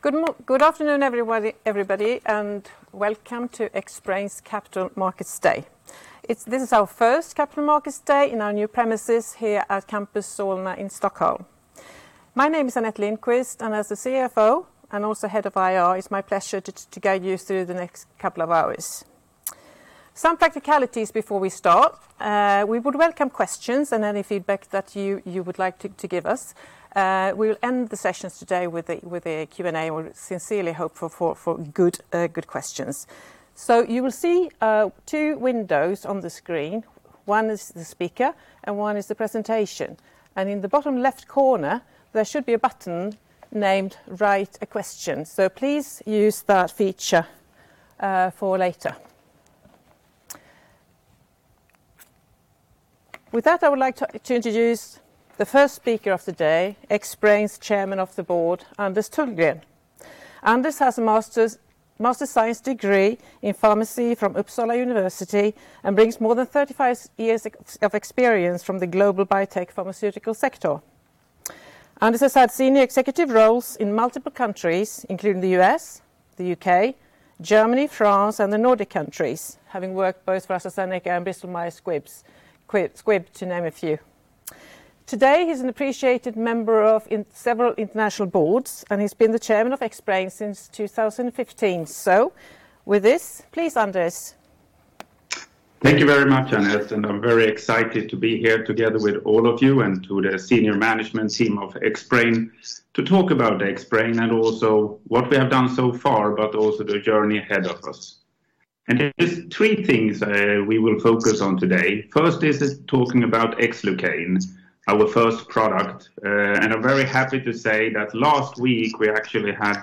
Good afternoon, everybody. Welcome to Xbrane's Capital Markets Day. This is our first Capital Markets Day in our new premises here at Campus Solna in Stockholm. My name is Anette Lindqvist, and as the CFO and also Head of IR, it's my pleasure to guide you through the next couple of hours. Some practicalities before we start. We would welcome questions and any feedback that you would like to give us. We'll end the sessions today with a Q&A. We sincerely hope for good questions. You will see two windows on the screen. One is the speaker, and one is the presentation. In the bottom left corner, there should be a button named Write a Question. Please use that feature for later. With that, I would like to introduce the first speaker of the day, Xbrane's Chairman of the Board, Anders Tullgren. Anders has a Master of Science degree in pharmacy from Uppsala University and brings more than 35 years of experience from the global biotech pharmaceutical sector. Anders has had senior executive roles in multiple countries, including the U.S., the U.K., Germany, France, and the Nordic countries, having worked both for AstraZeneca and Bristol Myers Squibb, to name a few. Today, he's an appreciated member of several international boards, and he's been the chairman of Xbrane since 2015. With this, please, Anders. Thank you very much, Anette, I'm very excited to be here together with all of you and to the senior management team of Xbrane to talk about Xbrane and also what we have done so far but also the journey ahead of us. There's three things we will focus on today. First is talking about Xlucane, our first product, and I'm very happy to say that last week we actually had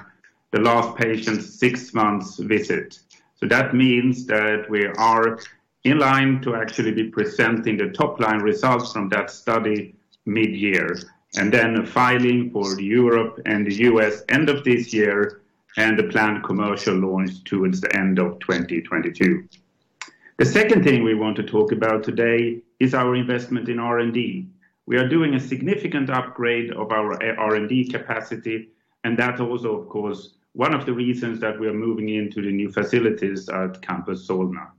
the last patient's six months visit. That means that we are in line to actually be presenting the top-line results from that study mid-year, and then the filing for Europe and the U.S. end of this year, and the planned commercial launch towards the end of 2022. The second thing we want to talk about today is our investment in R&D. We are doing a significant upgrade of our R&D capacity, that is also, of course, one of the reasons that we're moving into the new facilities at Campus Solna.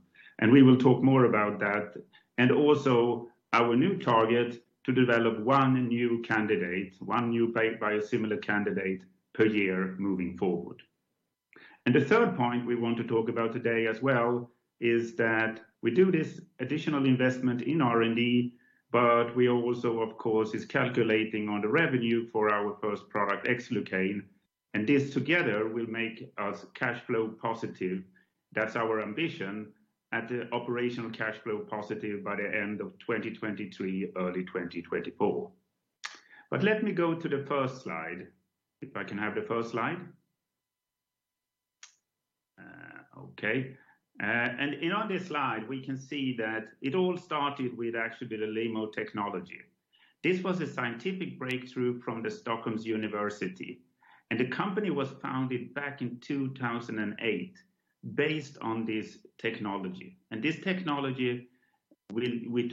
We will talk more about that and also our new target to develop one new biosimilar candidate per year moving forward. The third point we want to talk about today as well is that we do this additional investment in R&D, but we also, of course, is calculating on the revenue for our first product, Xlucane, and this together will make us cash flow positive. That's our ambition, at the operational cash flow positive by the end of 2023, early 2024. Let me go to the first slide. If I can have the first slide. Okay. In on this slide, we can see that it all started with actually the LEMO technology. This was a scientific breakthrough from Stockholm University. The company was founded back in 2008 based on this technology. This technology, we'll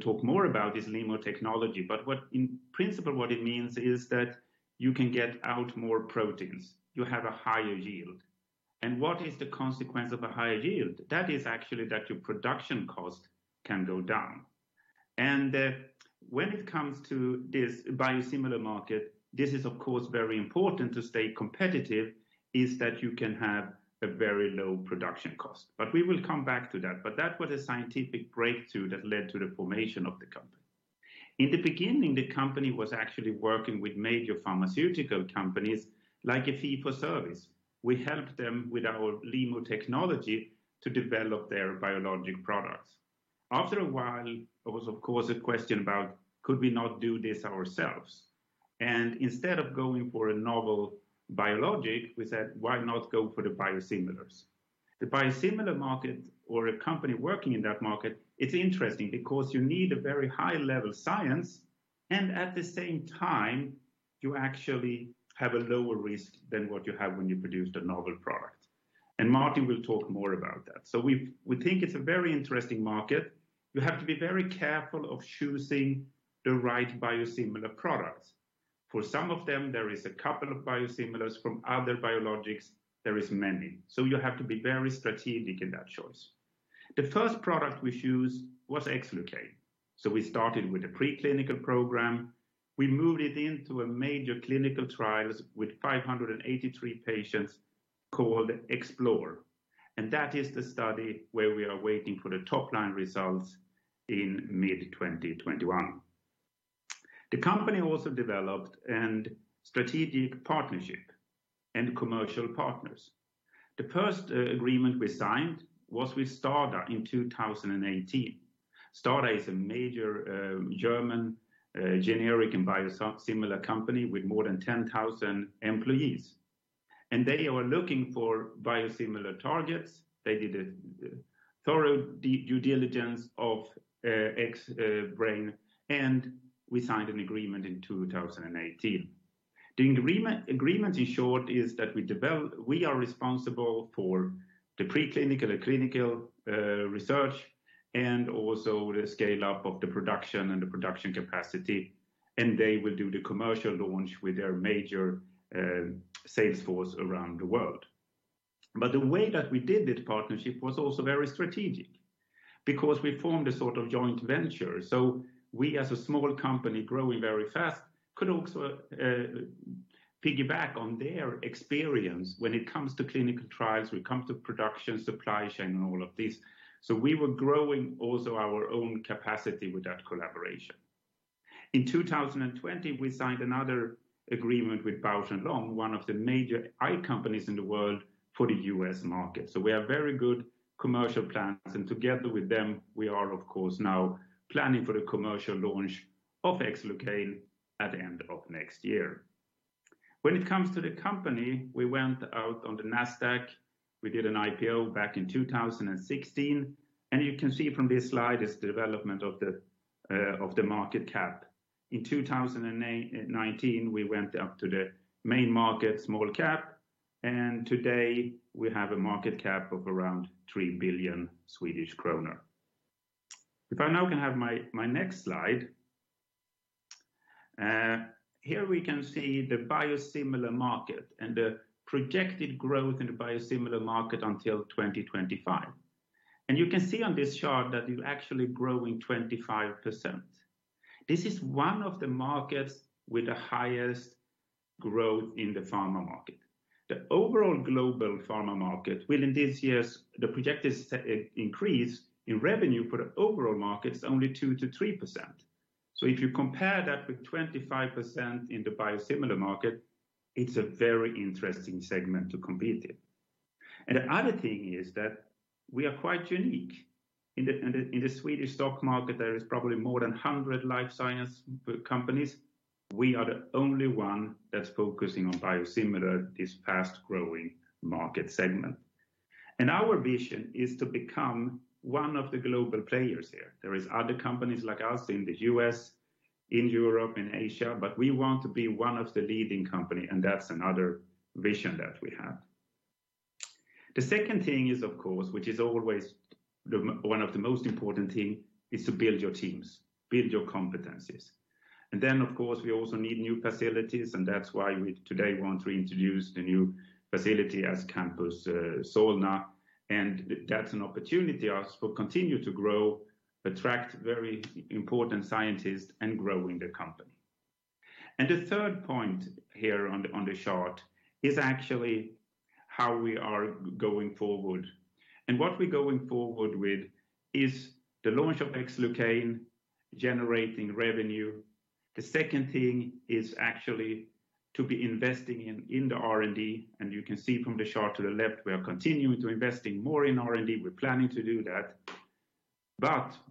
talk more about this LEMO technology, but in principle, what it means is that you can get out more proteins. You have a higher yield. What is the consequence of a higher yield? That is actually that your production cost can go down. When it comes to this biosimilar market, this is of course very important to stay competitive is that you can have a very low production cost. We will come back to that. That was a scientific breakthrough that led to the formation of the company. In the beginning, the company was actually working with major pharmaceutical companies, like a fee for service. We helped them with our LEMO technology to develop their biologic products. After a while, there was, of course, a question about could we not do this ourselves? Instead of going for a novel biologic, we said, why not go for the biosimilars? The biosimilar market or a company working in that market, it's interesting because you need a very high level of science, and at the same time, you actually have a lower risk than what you have when you produce a novel product. Martin will talk more about that. We think it's a very interesting market. You have to be very careful of choosing the right biosimilar products. For some of them, there is a couple of biosimilars. From other biologics, there is many. You have to be very strategic in that choice. The first product we choose was Xlucane. We started with a preclinical program. We moved it into a major clinical trial with 583 patients called Xplore. That is the study where we are waiting for the top-line results in mid-2021. The company also developed a strategic partnership and commercial partners. The first agreement we signed was with STADA in 2018. STADA is a major German generic and biosimilar company with more than 10,000 employees. They were looking for biosimilar targets. They did a thorough due diligence of Xbrane. We signed an agreement in 2018. The agreement, in short, is that we are responsible for the preclinical and clinical research and also the scale-up of the production and the production capacity. They will do the commercial launch with their major salesforce around the world. The way that we did that partnership was also very strategic because we formed a sort of joint venture. We, as a small company growing very fast, could also piggyback on their experience when it comes to clinical trials, when it comes to production, supply chain, and all of this. In 2020, we signed another agreement with Bausch + Lomb, one of the major eye companies in the world, for the U.S. market. We have very good commercial plans, and together with them, we are, of course, now planning for the commercial launch of Xlucane at the end of next year. When it comes to the company, we went out on the Nasdaq. We did an IPO back in 2016, and you can see from this slide is the development of the market cap. In 2019, we went up to the main market small cap. Today we have a market cap of around 3 billion Swedish kronor. If I now can have my next slide. Here we can see the biosimilar market and the projected growth in the biosimilar market until 2025. You can see on this chart that we are actually growing 25%. This is one of the markets with the highest growth in the pharma market. The overall global pharma market, within this year's, the projected increase in revenue for the overall market is only 2%-3%. If you compare that with 25% in the biosimilar market, it is a very interesting segment to compete in. The other thing is that we are quite unique. In the Swedish stock market, there is probably more than 100 life science companies. We are the only one that's focusing on biosimilar, this fast-growing market segment. Our vision is to become one of the global players here. There is other companies like us in the U.S., in Europe, in Asia, but we want to be one of the leading company, and that's another vision that we have. The second thing is, of course, which is always one of the most important thing, is to build your teams, build your competencies. Of course, we also need new facilities, and that's why we today want to introduce the new facility as Campus Solna. That's an opportunity as we continue to grow, attract very important scientists, and growing the company. The third point here on the chart is actually how we are going forward. What we're going forward with is the launch of Xlucane, generating revenue. The second thing is actually to be investing in the R&D, and you can see from the chart to the left, we are continuing to investing more in R&D. We're planning to do that.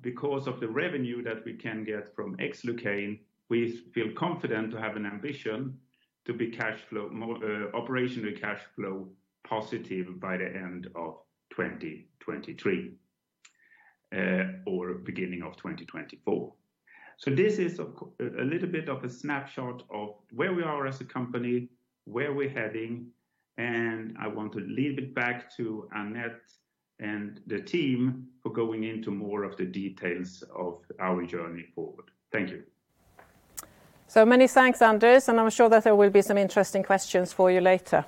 Because of the revenue that we can get from Xlucane, we feel confident to have an ambition to be operationally cash flow positive by the end of 2023 or beginning of 2024. This is a little bit of a snapshot of where we are as a company, where we're heading, and I want to leave it back to Anette and the team for going into more of the details of our journey forward. Thank you. Many thanks, Anders, and I'm sure that there will be some interesting questions for you later.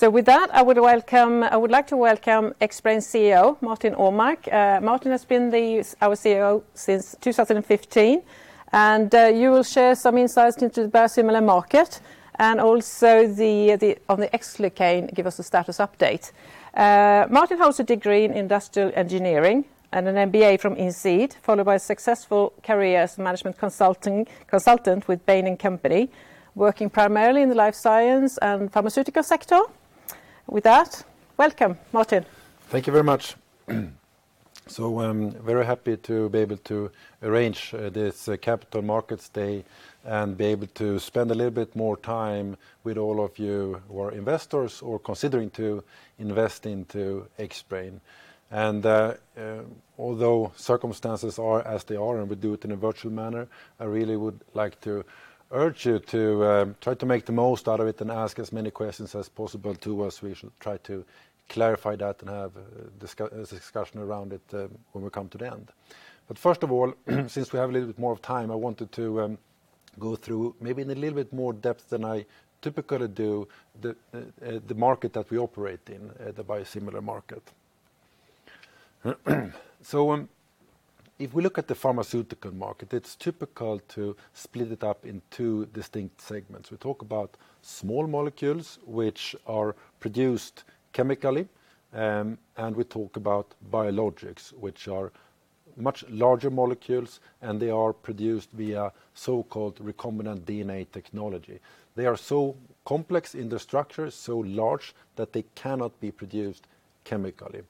With that, I would like to welcome Xbrane CEO, Martin Åmark. Martin has been our CEO since 2015, and you will share some insights into the biosimilar market and also on the Xlucane, give us a status update. Martin holds a degree in industrial engineering and an MBA from INSEAD, followed by a successful career as a management consultant with Bain & Company, working primarily in the life science and pharmaceutical sector. With that, welcome, Martin. Thank you very much. I'm very happy to be able to arrange this Capital Markets Day and be able to spend a little bit more time with all of you who are investors or considering to invest into Xbrane. Although circumstances are as they are, and we do it in a virtual manner, I really would like to urge you to try to make the most out of it and ask as many questions as possible to us. We should try to clarify that and have a discussion around it when we come to the end. First of all, since we have a little bit more time, I wanted to go through maybe in a little bit more depth than I typically do, the market that we operate in, the biosimilar market. If we look at the pharmaceutical market, it's typical to split it up in two distinct segments. We talk about small molecules, which are produced chemically, and we talk about biologics, which are much larger molecules, and they are produced via so-called recombinant DNA technology. They are so complex in the structure, so large that they cannot be produced chemically.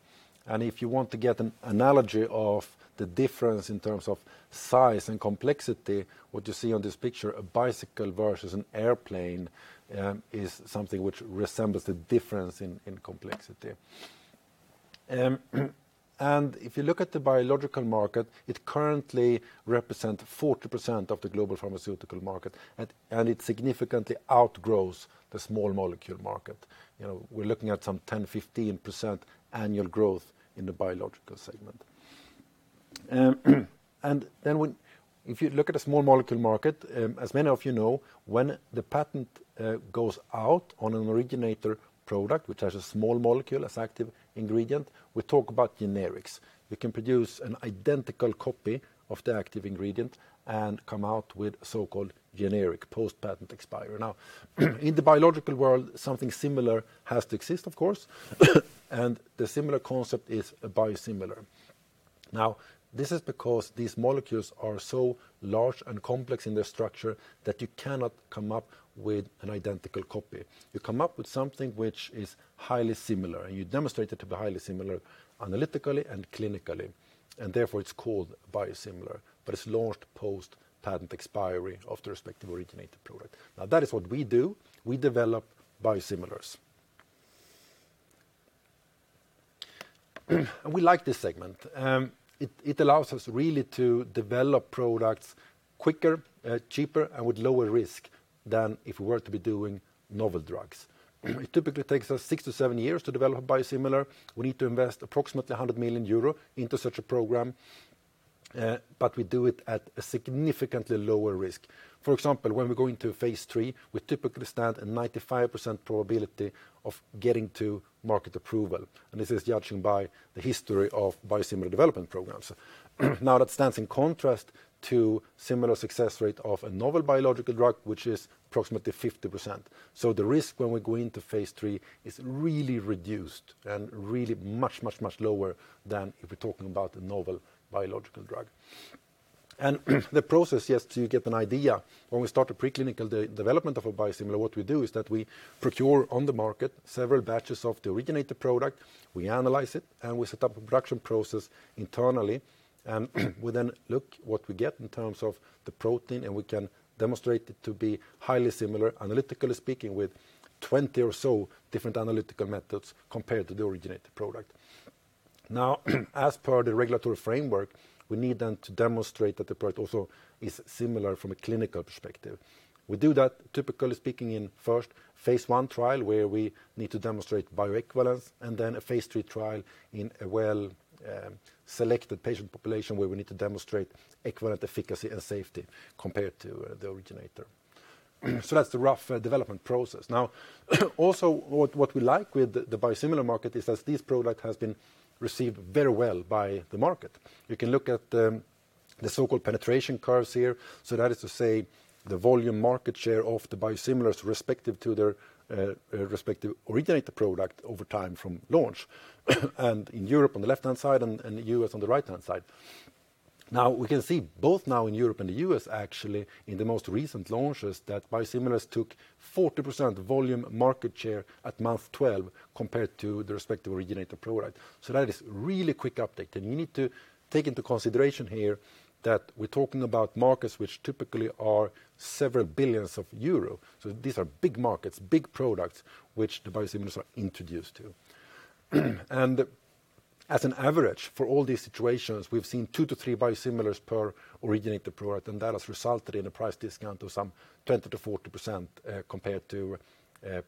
If you want to get an analogy of the difference in terms of size and complexity, what you see on this picture, a bicycle versus an airplane, is something which resembles the difference in complexity. If you look at the biological market, it currently represents 40% of the global pharmaceutical market, and it significantly outgrows the small molecule market. We're looking at some 10%, 15% annual growth in the biological segment. If you look at a small molecule market, as many of you know, when the patent goes out on an originator product, which has a small molecule as active ingredient, we talk about generics. We can produce an identical copy of the active ingredient and come out with so-called generic post-patent expiry. In the biological world, something similar has to exist, of course, and the similar concept is a biosimilar. This is because these molecules are so large and complex in their structure that you cannot come up with an identical copy. You come up with something which is highly similar, and you demonstrate it to be highly similar analytically and clinically, and therefore it's called biosimilar, but it's launched post patent expiry of the respective originator product. That is what we do. We develop biosimilars. We like this segment. It allows us really to develop products quicker, cheaper, and with lower risk than if we were to be doing novel drugs. It typically takes us six to seven years to develop a biosimilar. We need to invest approximately 100 million euro into such a program, but we do it at a significantly lower risk. For example, when we're going to phase III, we typically stand a 95% probability of getting to market approval, and this is judging by the history of biosimilar development programs. That stands in contrast to similar success rate of a novel biological drug, which is approximately 50%. The risk when we go into phase III is really reduced and really much, much, much lower than if we're talking about the novel biological drug. The process, just to give you an idea, when we start the preclinical development of a biosimilar, what we do is that we procure on the market several batches of the originator product. We analyze it, we set up a production process internally, we then look what we get in terms of the protein, we can demonstrate it to be highly similar, analytically speaking, with 20 or so different analytical methods compared to the originator product. As per the regulatory framework, we need then to demonstrate that the product also is similar from a clinical perspective. We do that, typically speaking, in first phase I trial, where we need to demonstrate bioequivalence, then a phase III trial in a well-selected patient population where we need to demonstrate equivalent efficacy and safety compared to the originator. That's the rough development process. Also what we like with the biosimilar market is that this product has been received very well by the market. You can look at the so-called penetration curves here. That is to say, the volume market share of the biosimilars respective to their respective originator product over time from launch, and in Europe on the left-hand side and the U.S. on the right-hand side. We can see both now in Europe and the U.S., actually, in the most recent launches, that biosimilars took 40% volume market share at month 12 compared to the respective originator product. That is really quick uptake, and you need to take into consideration here that we're talking about markets which typically are several billions of euro. These are big markets, big products, which the biosimilars are introduced to. As an average for all these situations, we've seen two to three biosimilars per originator product, and that has resulted in a price discount of some 20%-40% compared to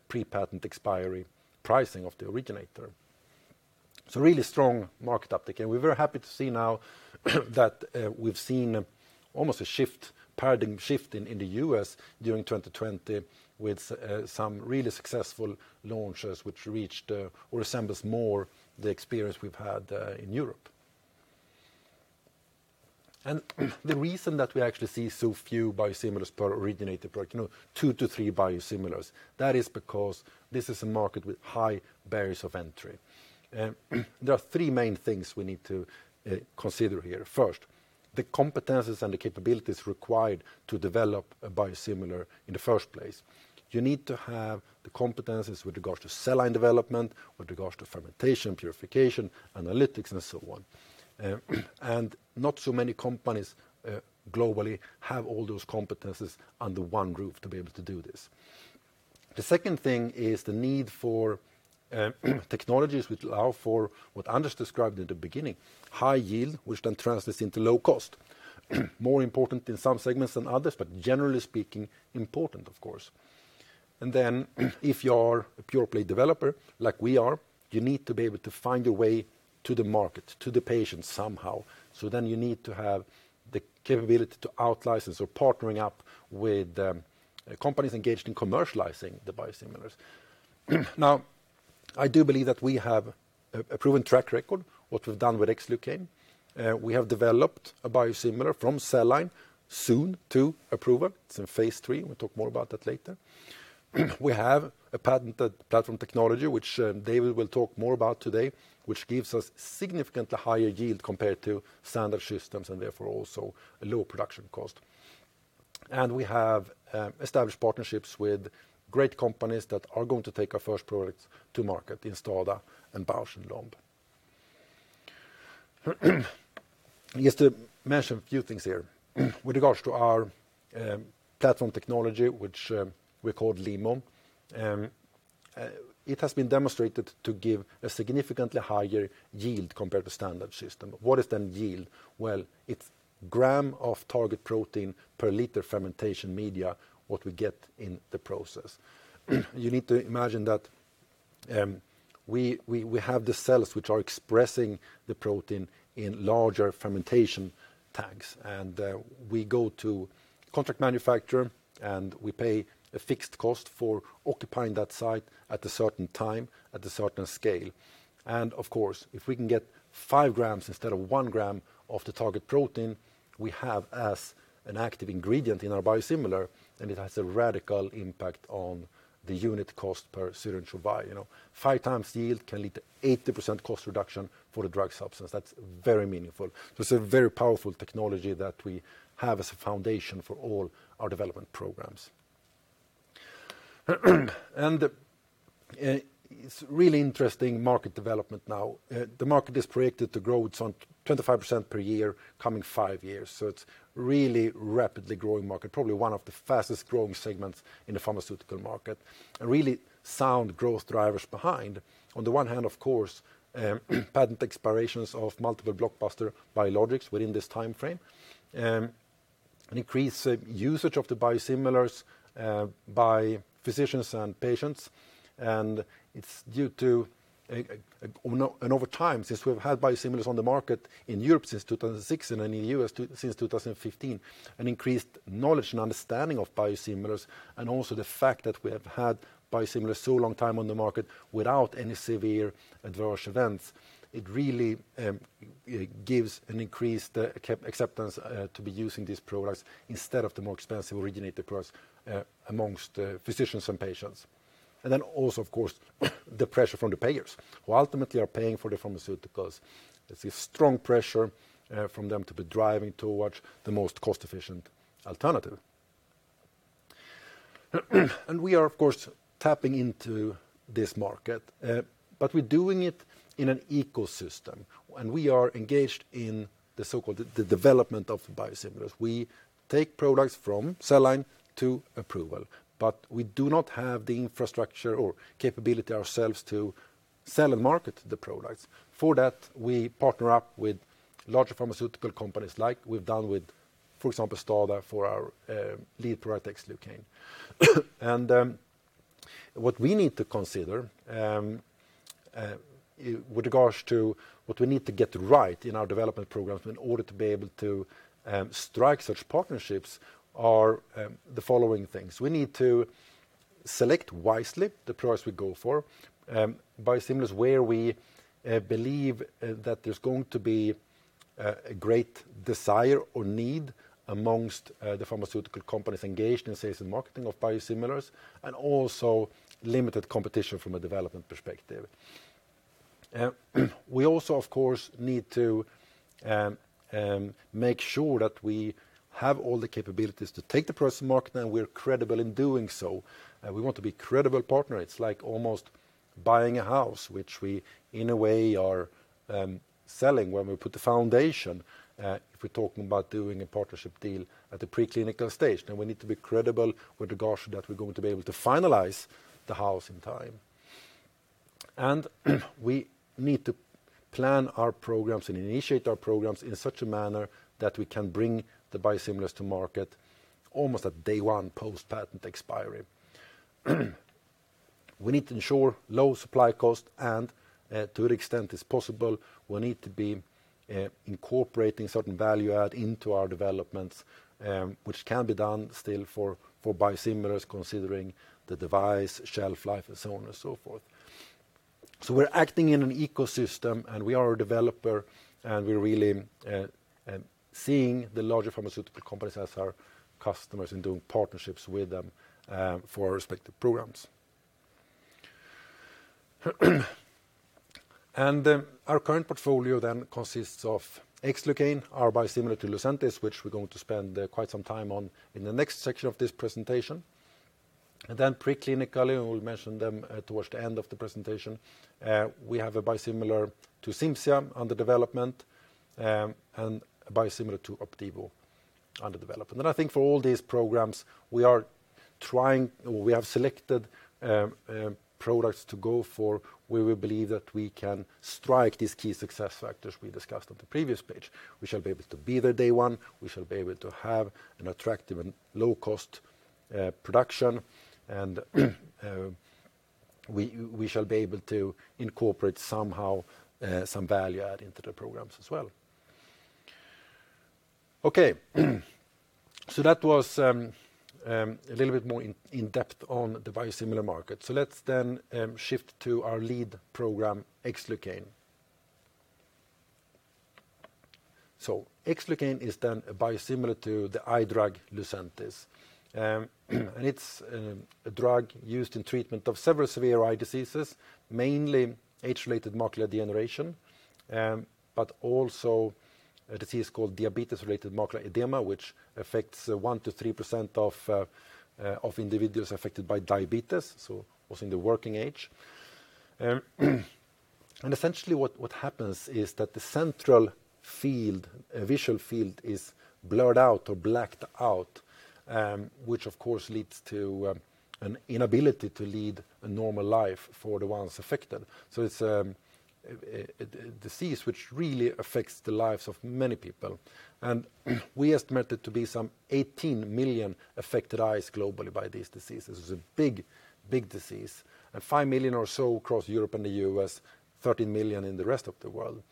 pre-patent expiry pricing of the originator. It's a really strong market uptake, and we're very happy to see now that we've seen almost a paradigm shift in the U.S. during 2020 with some really successful launches which resembles more the experience we've had in Europe. The reason that we actually see so few biosimilars per originator product, two to three biosimilars, that is because this is a market with high barriers of entry. There are three main things we need to consider here. First, the competencies and the capabilities required to develop a biosimilar in the first place. You need to have the competencies with regards to cell line development, with regards to fermentation, purification, analytics, and so on. Not so many companies globally have all those competencies under one roof to be able to do this. The second thing is the need for technologies which allow for what Anders described at the beginning, high yield, which then translates into low cost. More important in some segments than others, but generally speaking, important, of course. If you are a pure-play developer, like we are, you need to be able to find a way to the market, to the patient somehow. You need to have the capability to outlicense or partnering up with companies engaged in commercializing the biosimilars. Now, I do believe that we have a proven track record, what we've done with Xlucane. We have developed a biosimilar from cell line, soon to approval. It's in phase III. We'll talk more about that later. We have a patented platform technology, which David will talk more about today, which gives us significantly higher yield compared to standard systems. Therefore, also a low production cost. We have established partnerships with great companies that are going to take our first product to market in STADA and Bausch + Lomb. We need to mention a few things here. With regards to our platform technology, which we call LEMO, it has been demonstrated to give a significantly higher yield compared to standard system. What is yield? Well, it's gram of target protein per liter fermentation media, what we get in the process. You need to imagine that we have the cells which are expressing the protein in larger fermentation tanks. We go to a contract manufacturer, and we pay a fixed cost for occupying that site at a certain time, at a certain scale. Of course, if we can get five grams instead of one gram of the target protein we have as an active ingredient in our biosimilar, then it has a radical impact on the unit cost per syringe of bio, 5x yield can lead to 80% cost reduction for the drug substance. That's very meaningful. That's a very powerful technology that we have as a foundation for all our development programs. It's a really interesting market development now. The market is predicted to grow at some 25% per year coming five years. It's a really rapidly growing market, probably one of the fastest growing segments in the pharmaceutical market, and really sound growth drivers behind. On the one hand, of course, patent expirations of multiple blockbuster biologics within this timeframe, increased usage of the biosimilars by physicians and patients. Over time, since we've had biosimilars on the market in Europe since 2006 and in the U.S. since 2015, an increased knowledge and understanding of biosimilars, and also the fact that we have had biosimilars so long time on the market without any severe adverse events. It really gives an increased acceptance to be using these products instead of the more expensive originator drugs amongst physicians and patients. Also, of course, the pressure from the payers who ultimately are paying for the pharmaceuticals. There's a strong pressure from them to be driving towards the most cost-efficient alternative. We are, of course, tapping into this market. We're doing it in an ecosystem, and we are engaged in the so-called development of biosimilars. We take products from cell line to approval, but we do not have the infrastructure or capability ourselves to sell and market the products. For that, we partner up with larger pharmaceutical companies like we've done with, for example, STADA for our lead product, Xlucane. What we need to consider with regards to what we need to get right in our development programs in order to be able to strike such partnerships are the following things. We need to select wisely the products we go for. Biosimilars where we believe that there's going to be a great desire or need amongst the pharmaceutical companies engaged in sales and marketing of biosimilars, and also limited competition from a development perspective. We also, of course, need to make sure that we have all the capabilities to take the product to market, and we are credible in doing so. We want to be a credible partner. It's like almost buying a house, which we, in a way, are selling when we put the foundation. If we're talking about doing a partnership deal at the preclinical stage, we need to be credible with regards to that we're going to be able to finalize the house in time. We need to plan our programs and initiate our programs in such a manner that we can bring the biosimilars to market almost at day one post patent expiry. We need to ensure low supply cost, and to an extent is possible, we need to be incorporating certain value add into our developments, which can be done still for biosimilars, considering the device, shelf life, and so on and so forth. We're acting in an ecosystem, and we are a developer, and we're really seeing the larger pharmaceutical companies as our customers and doing partnerships with them for our respective programs. Our current portfolio then consists of Xlucane, our biosimilar to Lucentis, which we're going to spend quite some time on in the next section of this presentation. Pre-clinically, and we'll mention them towards the end of the presentation, we have a biosimilar to CIMZIA under development, and a biosimilar to Opdivo under development. I think for all these programs, we have selected products to go for where we believe that we can strike these key success factors we discussed on the previous page. We shall be able to be there day one. We shall be able to have an attractive and low-cost production, and we shall be able to incorporate somehow some value add into the programs as well. Okay. That was a little bit more in depth on the biosimilar market. Let's then shift to our lead program, Xlucane. Xlucane is then a biosimilar to the eye drug Lucentis. It's a drug used in treatment of several severe eye diseases, mainly age-related macular degeneration, but also a disease called diabetes-related macular edema, which affects 1%-3% of individuals affected by diabetes, so also in the working age. Essentially, what happens is that the central field, visual field, is blurred out or blacked out, which of course leads to an inability to lead a normal life for the ones affected. It's a disease which really affects the lives of many people. We estimate it to be some 18 million affected eyes globally by this disease. This is a big disease, and 5 million or so across Europe and the U.S., 13 million in the rest of the world.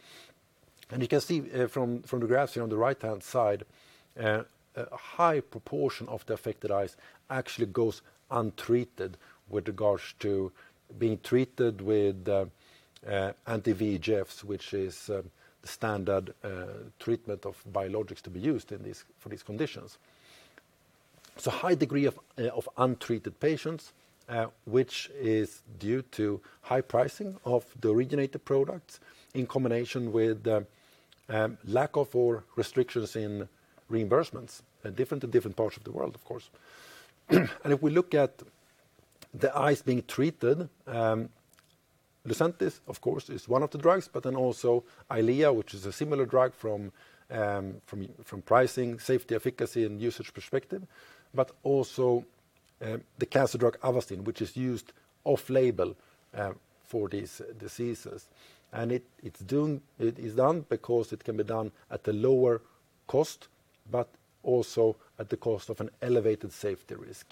You can see from the graphs here on the right-hand side, a high proportion of the affected eyes actually goes untreated with regards to being treated with anti-VEGFs, which is the standard treatment of biologics to be used for these conditions. A high degree of untreated patients, which is due to high pricing of the originator products in combination with lack of, or restrictions in reimbursements, different in different parts of the world, of course. We look at the eyes being treated, Lucentis, of course, is one of the drugs, but then also EYLEA, which is a similar drug from pricing, safety, efficacy, and usage perspective, but also the cancer drug Avastin, which is used off-label for these diseases. It is done because it can be done at a lower cost, but also at the cost of an elevated safety risk.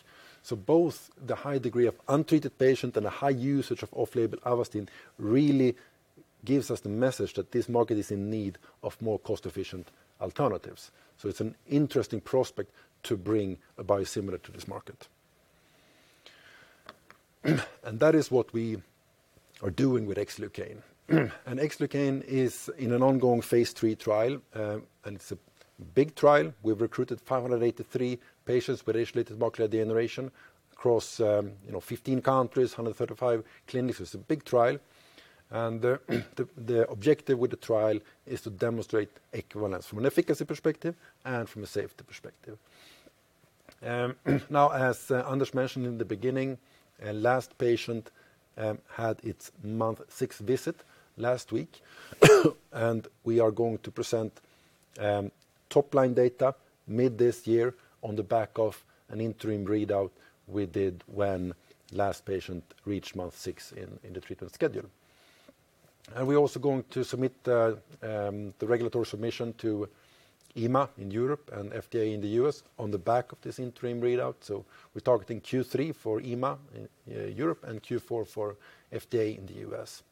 Both the high degree of untreated patients and a high usage of off-label Avastin really gives us the message that this market is in need of more cost-efficient alternatives. It's an interesting prospect to bring a biosimilar to this market. That is what we are doing with Xlucane. Xlucane is in an ongoing phase III trial, and it's a big trial. We've recruited 583 patients with age-related macular degeneration across 15 countries, 135 clinics. It's a big trial. The objective with the trial is to demonstrate equivalence from an efficacy perspective and from a safety perspective. Now, as Anders mentioned in the beginning, last patient had its month six visit last week, and we are going to present top-line data mid this year on the back of an interim readout we did when last patient reached month six in the treatment schedule. We're also going to submit the regulatory submission to EMA in Europe and FDA in the U.S. on the back of this interim readout. We're targeting Q3 for EMA in Europe and Q4 for FDA in the U.S.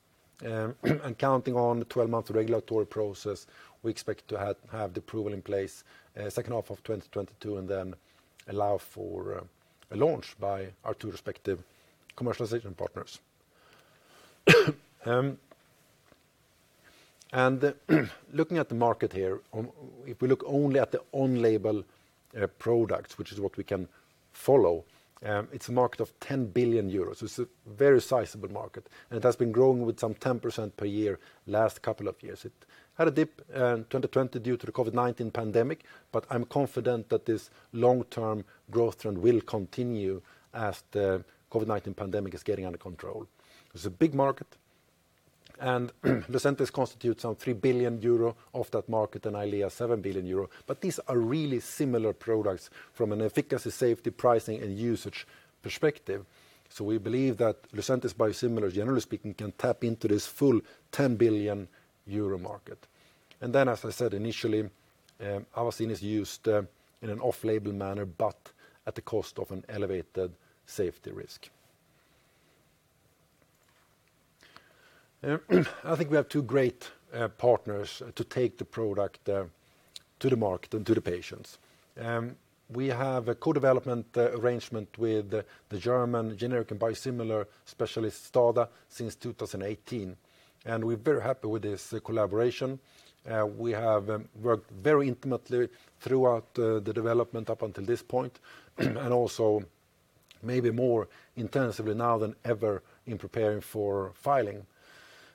Counting on a 12-month regulatory process, we expect to have the approval in place second half of 2022, allow for a launch by our two respective commercialization partners. Looking at the market here, if we look only at the on-label products, which is what we can follow, it's a market of 10 billion euros. It's a very sizable market, and it has been growing with some 10% per year last couple of years. It had a dip in 2020 due to the COVID-19 pandemic, I'm confident that this long-term growth trend will continue as the COVID-19 pandemic is getting under control. It's a big market, Lucentis constitutes some 3 billion euro of that market, EYLEA 7 billion euro. These are really similar products from an efficacy, safety, pricing, and usage perspective. We believe that Lucentis biosimilar, generally speaking, can tap into this full 10 billion euro market. As I said initially, Avastin is used in an off-label manner, but at the cost of an elevated safety risk. I think we have two great partners to take the product to the market and to the patients. We have a co-development arrangement with the German generic and biosimilar specialist STADA since 2018, and we're very happy with this collaboration. We have worked very intimately throughout the development up until this point, and also maybe more intensively now than ever in preparing for filing.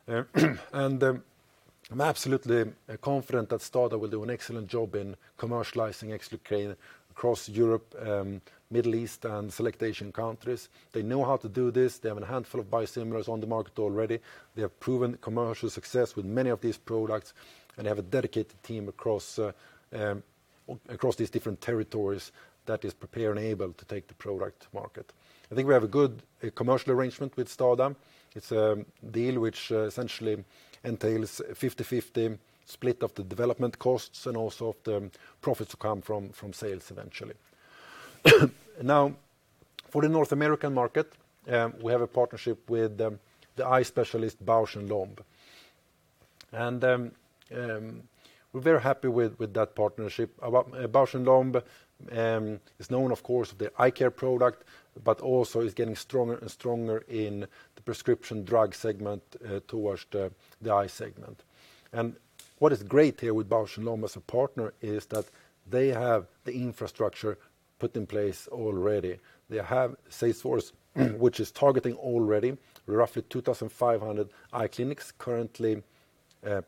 I'm absolutely confident that STADA will do an excellent job in commercializing Xlucane across Europe, Middle East, and select Asian countries. They know how to do this. They have a handful of biosimilars on the market already. They have proven commercial success with many of these products, and they have a dedicated team across these different territories that is prepared and able to take the product to market. I think we have a good commercial arrangement with STADA. It's a deal which essentially entails a 50/50 split of the development costs and also of the profits to come from sales eventually. For the North American market, we have a partnership with the eye specialist Bausch + Lomb, and we're very happy with that partnership. Bausch + Lomb is known, of course, for the eye care product, but also is getting stronger and stronger in the prescription drug segment towards the eye segment. What is great here with Bausch + Lomb as a partner is that they have the infrastructure put in place already. They have salesforce which is targeting already roughly 2,500 eye clinics currently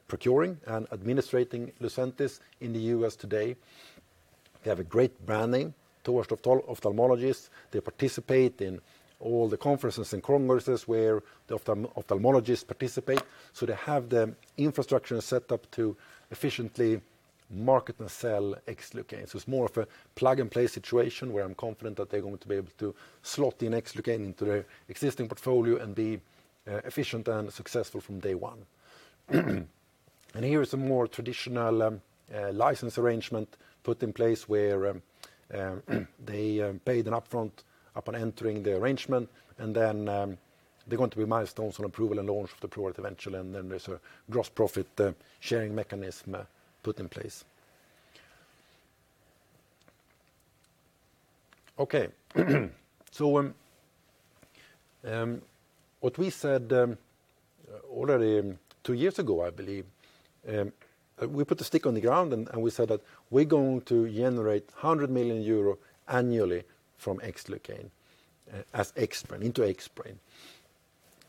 procuring and administrating Lucentis in the U.S. today. They have a great branding towards ophthalmologists. They participate in all the conferences and congresses where the ophthalmologists participate. They have the infrastructure set up to efficiently market and sell Xlucane. It's more of a plug-and-play situation where I'm confident that they're going to be able to slot in Xlucane into their existing portfolio and be efficient and successful from day one. Here is a more traditional license arrangement put in place where they paid an upfront upon entering the arrangement, and then there are going to be milestones on approval and launch of the product eventually, and then there's a gross profit sharing mechanism put in place. Okay. What we said already two years ago, I believe, we put the stick in the ground and we said that we're going to generate 100 million euro annually from Xlucane into Xbrane,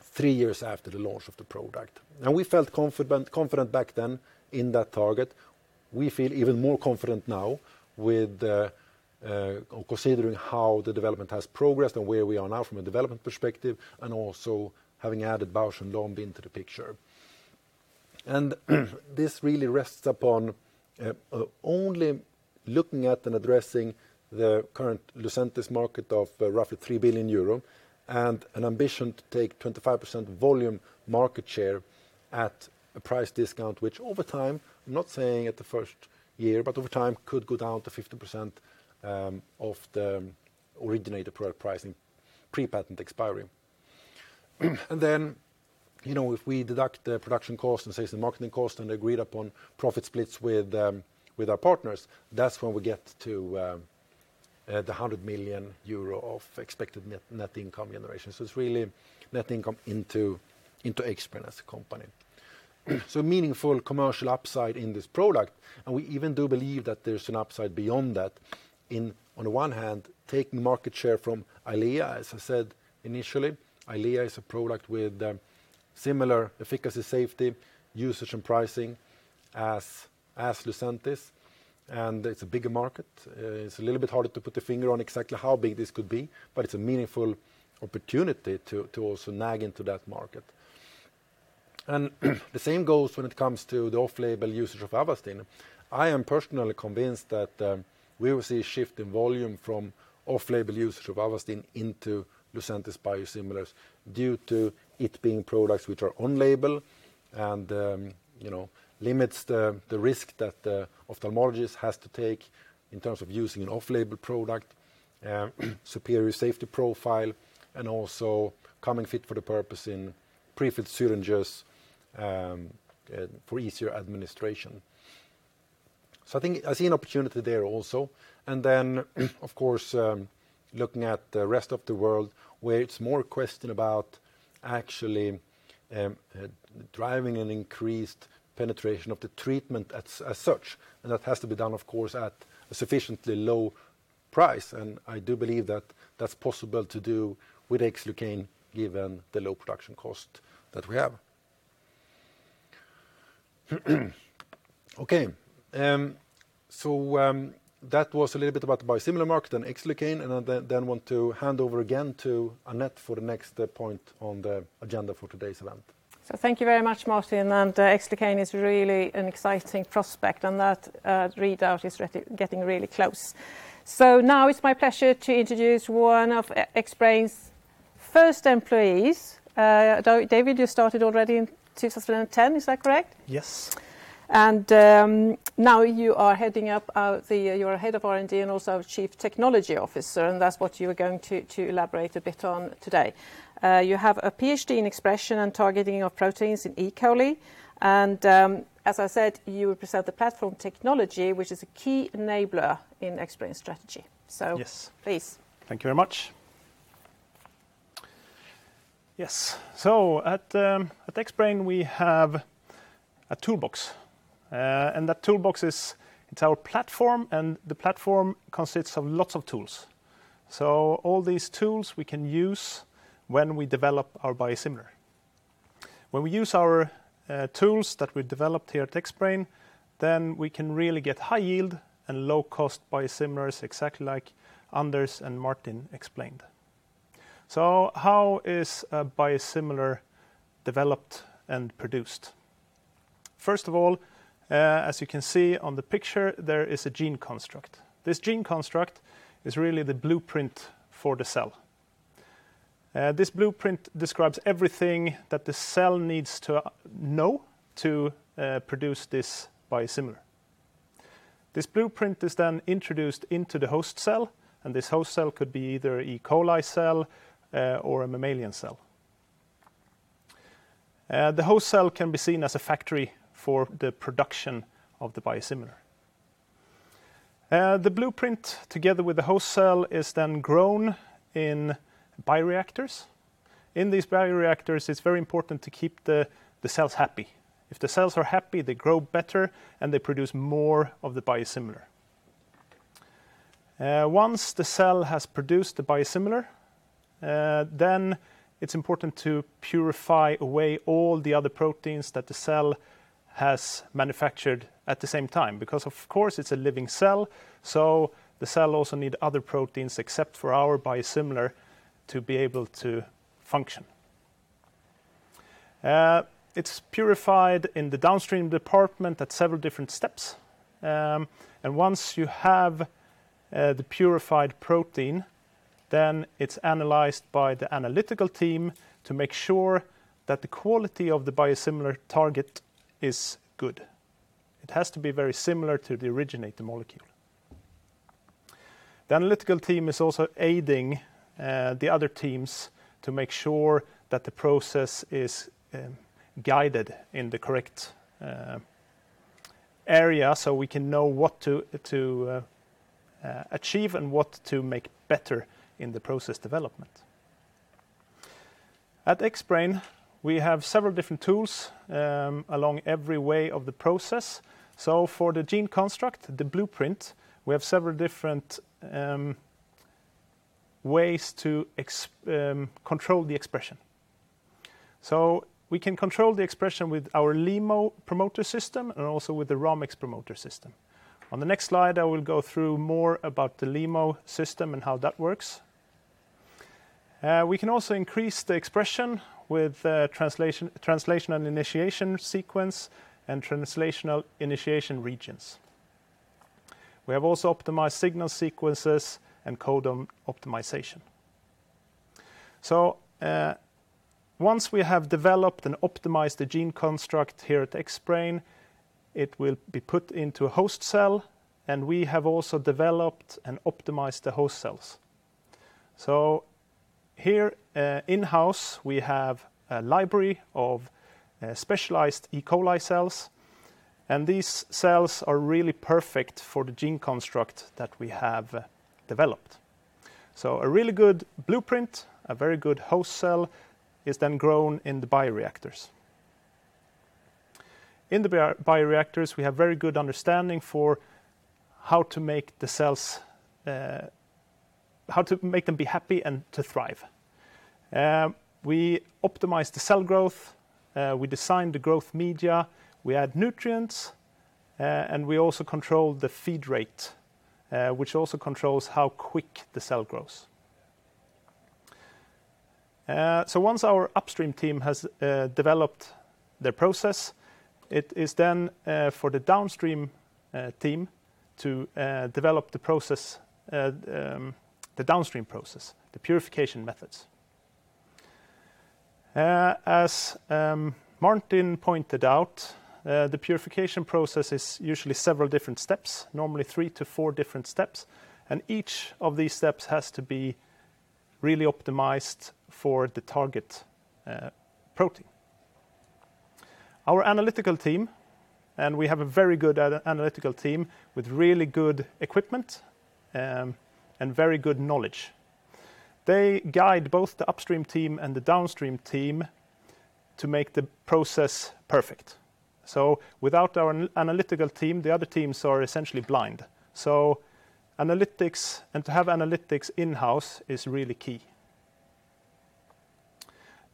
three years after the launch of the product. We felt confident back then in that target. We feel even more confident now considering how the development has progressed and where we are now from a development perspective, also having added Bausch + Lomb into the picture. This really rests upon only looking at and addressing the current Lucentis market of roughly 3 billion euro and an ambition to take 25% volume market share at a price discount, which over time, not saying at the first year, but over time could go down to 50% of the originator product pricing pre-patent expiry. If we deduct the production cost and sales and marketing cost and agreed-upon profit splits with our partners, that's when we get to the 100 million euro of expected net income generation. It's really net income into Xbrane as a company. Meaningful commercial upside in this product, and we even do believe that there's an upside beyond that in, on one hand, taking market share from EYLEA, as I said initially. EYLEA is a product with similar efficacy, safety, usage, and pricing as Lucentis, and it's a bigger market. It's a little bit harder to put the finger on exactly how big this could be, but it's a meaningful opportunity to also nag into that market. The same goes when it comes to the off-label usage of Avastin. I am personally convinced that we will see a shift in volume from off-label usage of Avastin into Lucentis biosimilars due to it being products which are on-label and limits the risk that the ophthalmologist has to take in terms of using an off-label product, superior safety profile, and also coming fit for the purpose in prefilled syringes for easier administration. I see an opportunity there also, and then of course, looking at the rest of the world, where it's more a question about actually driving an increased penetration of the treatment as such, and that has to be done, of course, at a sufficiently low price. I do believe that that's possible to do with Xlucane, given the low production cost that we have. Okay. That was a little bit about the biosimilar market and Xlucane. I then want to hand over again to Anette for the next point on the agenda for today's event. Thank you very much, Martin. Xlucane is really an exciting prospect, and that readout is getting really close. Now it's my pleasure to introduce one of Xbrane's first employees. David, you started already in 2010, is that correct? Yes. Now you are Head of R&D and also our Chief Technology Officer, and that's what you're going to elaborate a bit on today. You have a PhD in expression and targeting of proteins in E. coli, and as I said, you represent the platform technology, which is a key enabler in Xbrane's strategy. Please. Thank you very much. Yes. At Xbrane, we have a toolbox. That toolbox is our platform, and the platform consists of lots of tools. All these tools we can use when we develop our biosimilar. When we use our tools that we developed here at Xbrane, we can really get high yield and low cost biosimilars, exactly like Anders and Martin explained. How is a biosimilar developed and produced? First of all, as you can see on the picture, there is a gene construct. This gene construct is really the blueprint for the cell. This blueprint describes everything that the cell needs to know to produce this biosimilar. This blueprint is introduced into the host cell, and this host cell could be either E. coli cell or a mammalian cell. The host cell can be seen as a factory for the production of the biosimilar. The blueprint, together with the host cell, is then grown in bioreactors. In these bioreactors, it's very important to keep the cells happy. If the cells are happy, they grow better, and they produce more of the biosimilar. Once the cell has produced the biosimilar, then it's important to purify away all the other proteins that the cell has manufactured at the same time. Of course, it's a living cell, so the cell also need other proteins except for our biosimilar to be able to function. It's purified in the downstream department at several different steps. Once you have the purified protein, then it's analyzed by the analytical team to make sure that the quality of the biosimilar target is good. It has to be very similar to the originator molecule. The analytical team is also aiding the other teams to make sure that the process is guided in the correct area so we can know what to achieve and what to make better in the process development. At Xbrane, we have several different tools along every way of the process. For the gene construct, the blueprint, we have several different ways to control the expression. We can control the expression with our LEMO promoter system and also with the Rhamex System. On the next slide, I will go through more about the LEMO system and how that works. We can also increase the expression with translational initiation sequence and translational initiation regions. We have also optimized signal sequences and codon optimization. Once we have developed and optimized the gene construct here at Xbrane, it will be put into a host cell, and we have also developed and optimized the host cells. Here in-house, we have a library of specialized E. coli cells, and these cells are really perfect for the gene construct that we have developed. A really good blueprint, a very good host cell is then grown in the bioreactors. In the bioreactors, we have very good understanding for how to make them be happy and to thrive. We optimize the cell growth, we design the growth media, we add nutrients, and we also control the feed rate, which also controls how quick the cell grows. Once our upstream team has developed the process, it is then for the downstream team to develop the downstream process, the purification methods. As Martin pointed out, the purification process is usually several different steps, normally three to four different steps, and each of these steps has to be really optimized for the target protein. We have a very good analytical team with really good equipment and very good knowledge. They guide both the upstream team and the downstream team to make the process perfect. Without our analytical team, the other teams are essentially blind. Analytics and to have analytics in-house is really key.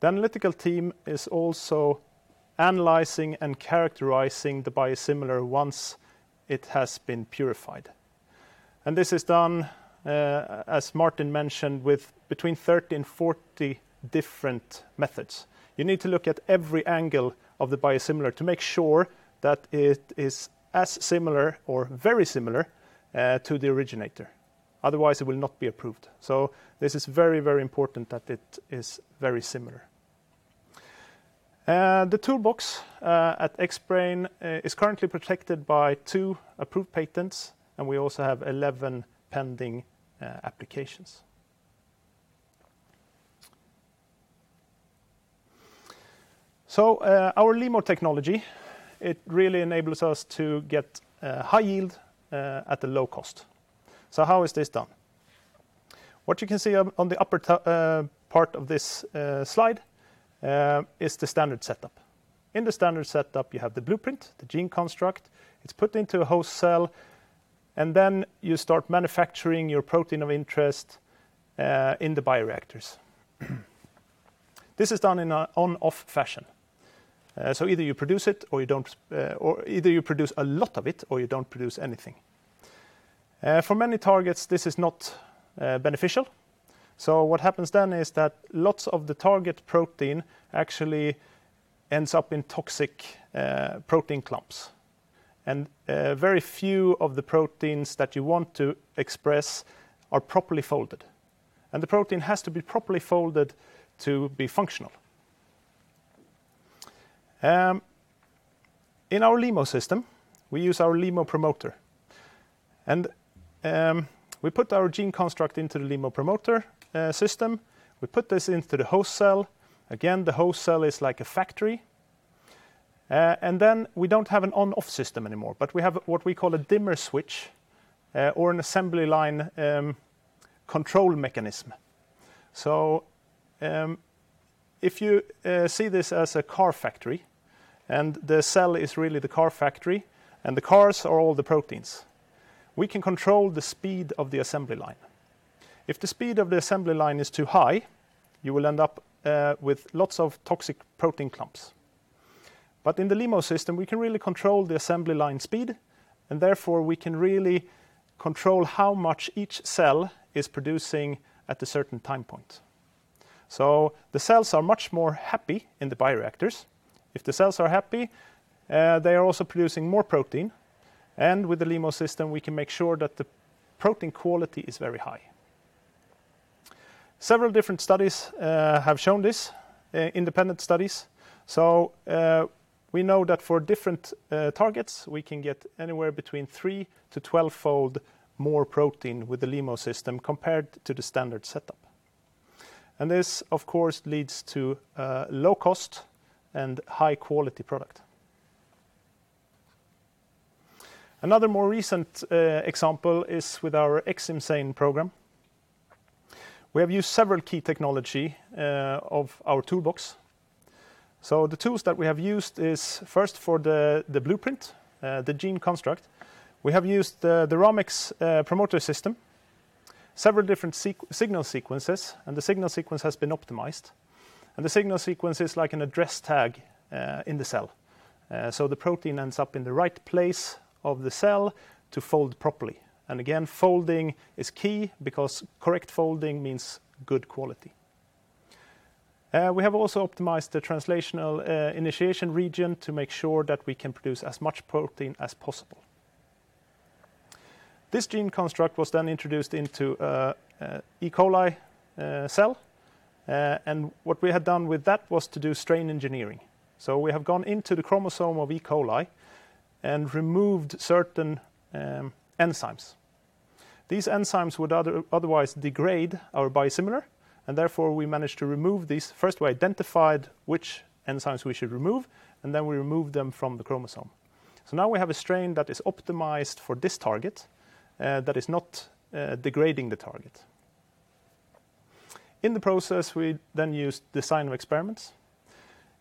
The analytical team is also analyzing and characterizing the biosimilar once it has been purified. This is done, as Martin mentioned, with between 30 and 40 different methods. You need to look at every angle of the biosimilar to make sure that it is as similar or very similar to the originator, otherwise it will not be approved. This is very important that it is very similar. The toolbox at Xbrane is currently protected by two approved patents, and we also have 11 pending applications. Our LEMO technology, it really enables us to get high yield at a low cost. How is this done? What you can see on the upper part of this slide is the standard setup. In the standard setup, you have the blueprint, the gene construct, it's put into a host cell, and then you start manufacturing your protein of interest in the bioreactors. This is done in an on/off fashion. Either you produce a lot of it or you don't produce anything. For many targets, this is not beneficial. What happens then is that lots of the target protein actually ends up in toxic protein clumps, and very few of the proteins that you want to express are properly folded. The protein has to be properly folded to be functional. In our LEMO system, we use our LEMO promoter, and we put our gene construct into the LEMO promoter system. We put this into the host cell. Again, the host cell is like a factory. Then we don't have an on/off system anymore, but we have what we call a dimmer switch or an assembly line control mechanism. If you see this as a car factory and the cell is really the car factory and the cars are all the proteins, we can control the speed of the assembly line. If the speed of the assembly line is too high, you will end up with lots of toxic protein clumps. In the LEMO system, we can really control the assembly line speed, and therefore, we can really control how much each cell is producing at a certain time point. The cells are much more happy in the bioreactors. If the cells are happy, they are also producing more protein. With the LEMO system, we can make sure that the protein quality is very high. Several different studies have shown this, independent studies. We know that for different targets, we can get anywhere between three-fold to 12-fold more protein with the LEMO system compared to the standard setup. This, of course, leads to low cost and high quality product. Another more recent example is with our Xcimzane Program. We have used several key technology of our toolbox. The tools that we have used is first for the blueprint, the gene construct. We have used the Rhamex promoter system, several different signal sequences, and the signal sequence has been optimized. The signal sequence is like an address tag in the cell. The protein ends up in the right place of the cell to fold properly. Again, folding is key because correct folding means good quality. We have also optimized the translational initiation region to make sure that we can produce as much protein as possible. This gene construct was introduced into a E. coli cell. What we had done with that was to do strain engineering. We have gone into the chromosome of E. coli and removed certain enzymes. These enzymes would otherwise degrade our biosimilar, and therefore we managed to remove these. First, we identified which enzymes we should remove, and then we removed them from the chromosome. Now we have a strain that is optimized for this target that is not degrading the target. In the process, we then used design of experiments.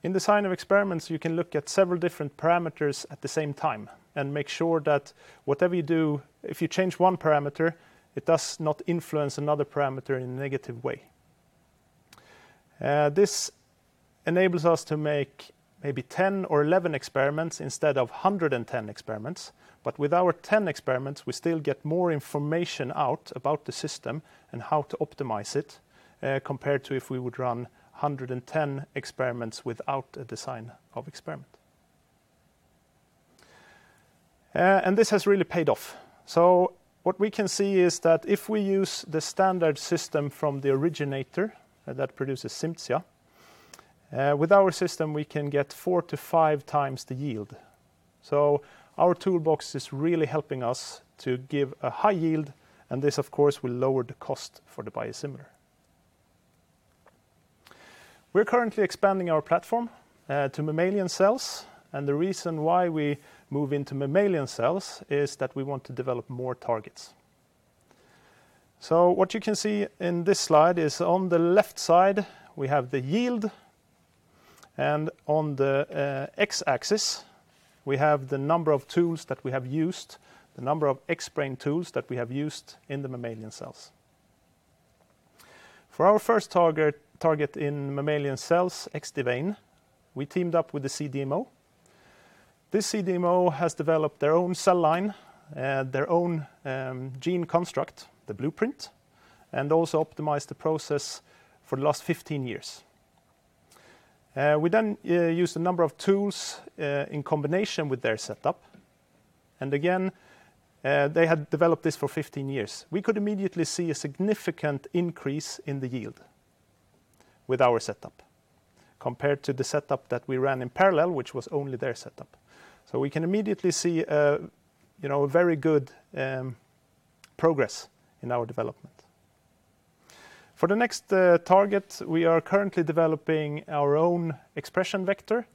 In design of experiments, you can look at several different parameters at the same time and make sure that whatever you do, if you change one parameter, it does not influence another parameter in a negative way. This enables us to make maybe 10 or 11 experiments instead of 110 experiments. With our 10 experiments, we still get more information out about the system and how to optimize it compared to if we would run 110 experiments without a design of experiment. This has really paid off. What we can see is that if we use the standard system from the originator that produces CIMZIA, with our system, we can get 4x-5x times the yield. Our toolbox is really helping us to give a high yield, and this, of course, will lower the cost for the biosimilar. We're currently expanding our platform to mammalian cells, and the reason why we move into mammalian cells is that we want to develop more targets. What you can see in this slide is on the left side, we have the yield, and on the x-axis, we have the number of tools that we have used, the number of Xbrane tools that we have used in the mammalian cells. For our first target in mammalian cells, Xdivane, we teamed up with a CDMO. This CDMO has developed their own cell line, their own gene construct, the blueprint, and also optimized the process for the last 15 years. We used a number of tools in combination with their setup. Again, they had developed this for 15 years. We could immediately see a significant increase in the yield with our setup compared to the setup that we ran in parallel, which was only their setup. We can immediately see very good progress in our development. For the next target, we are currently developing our own expression vector.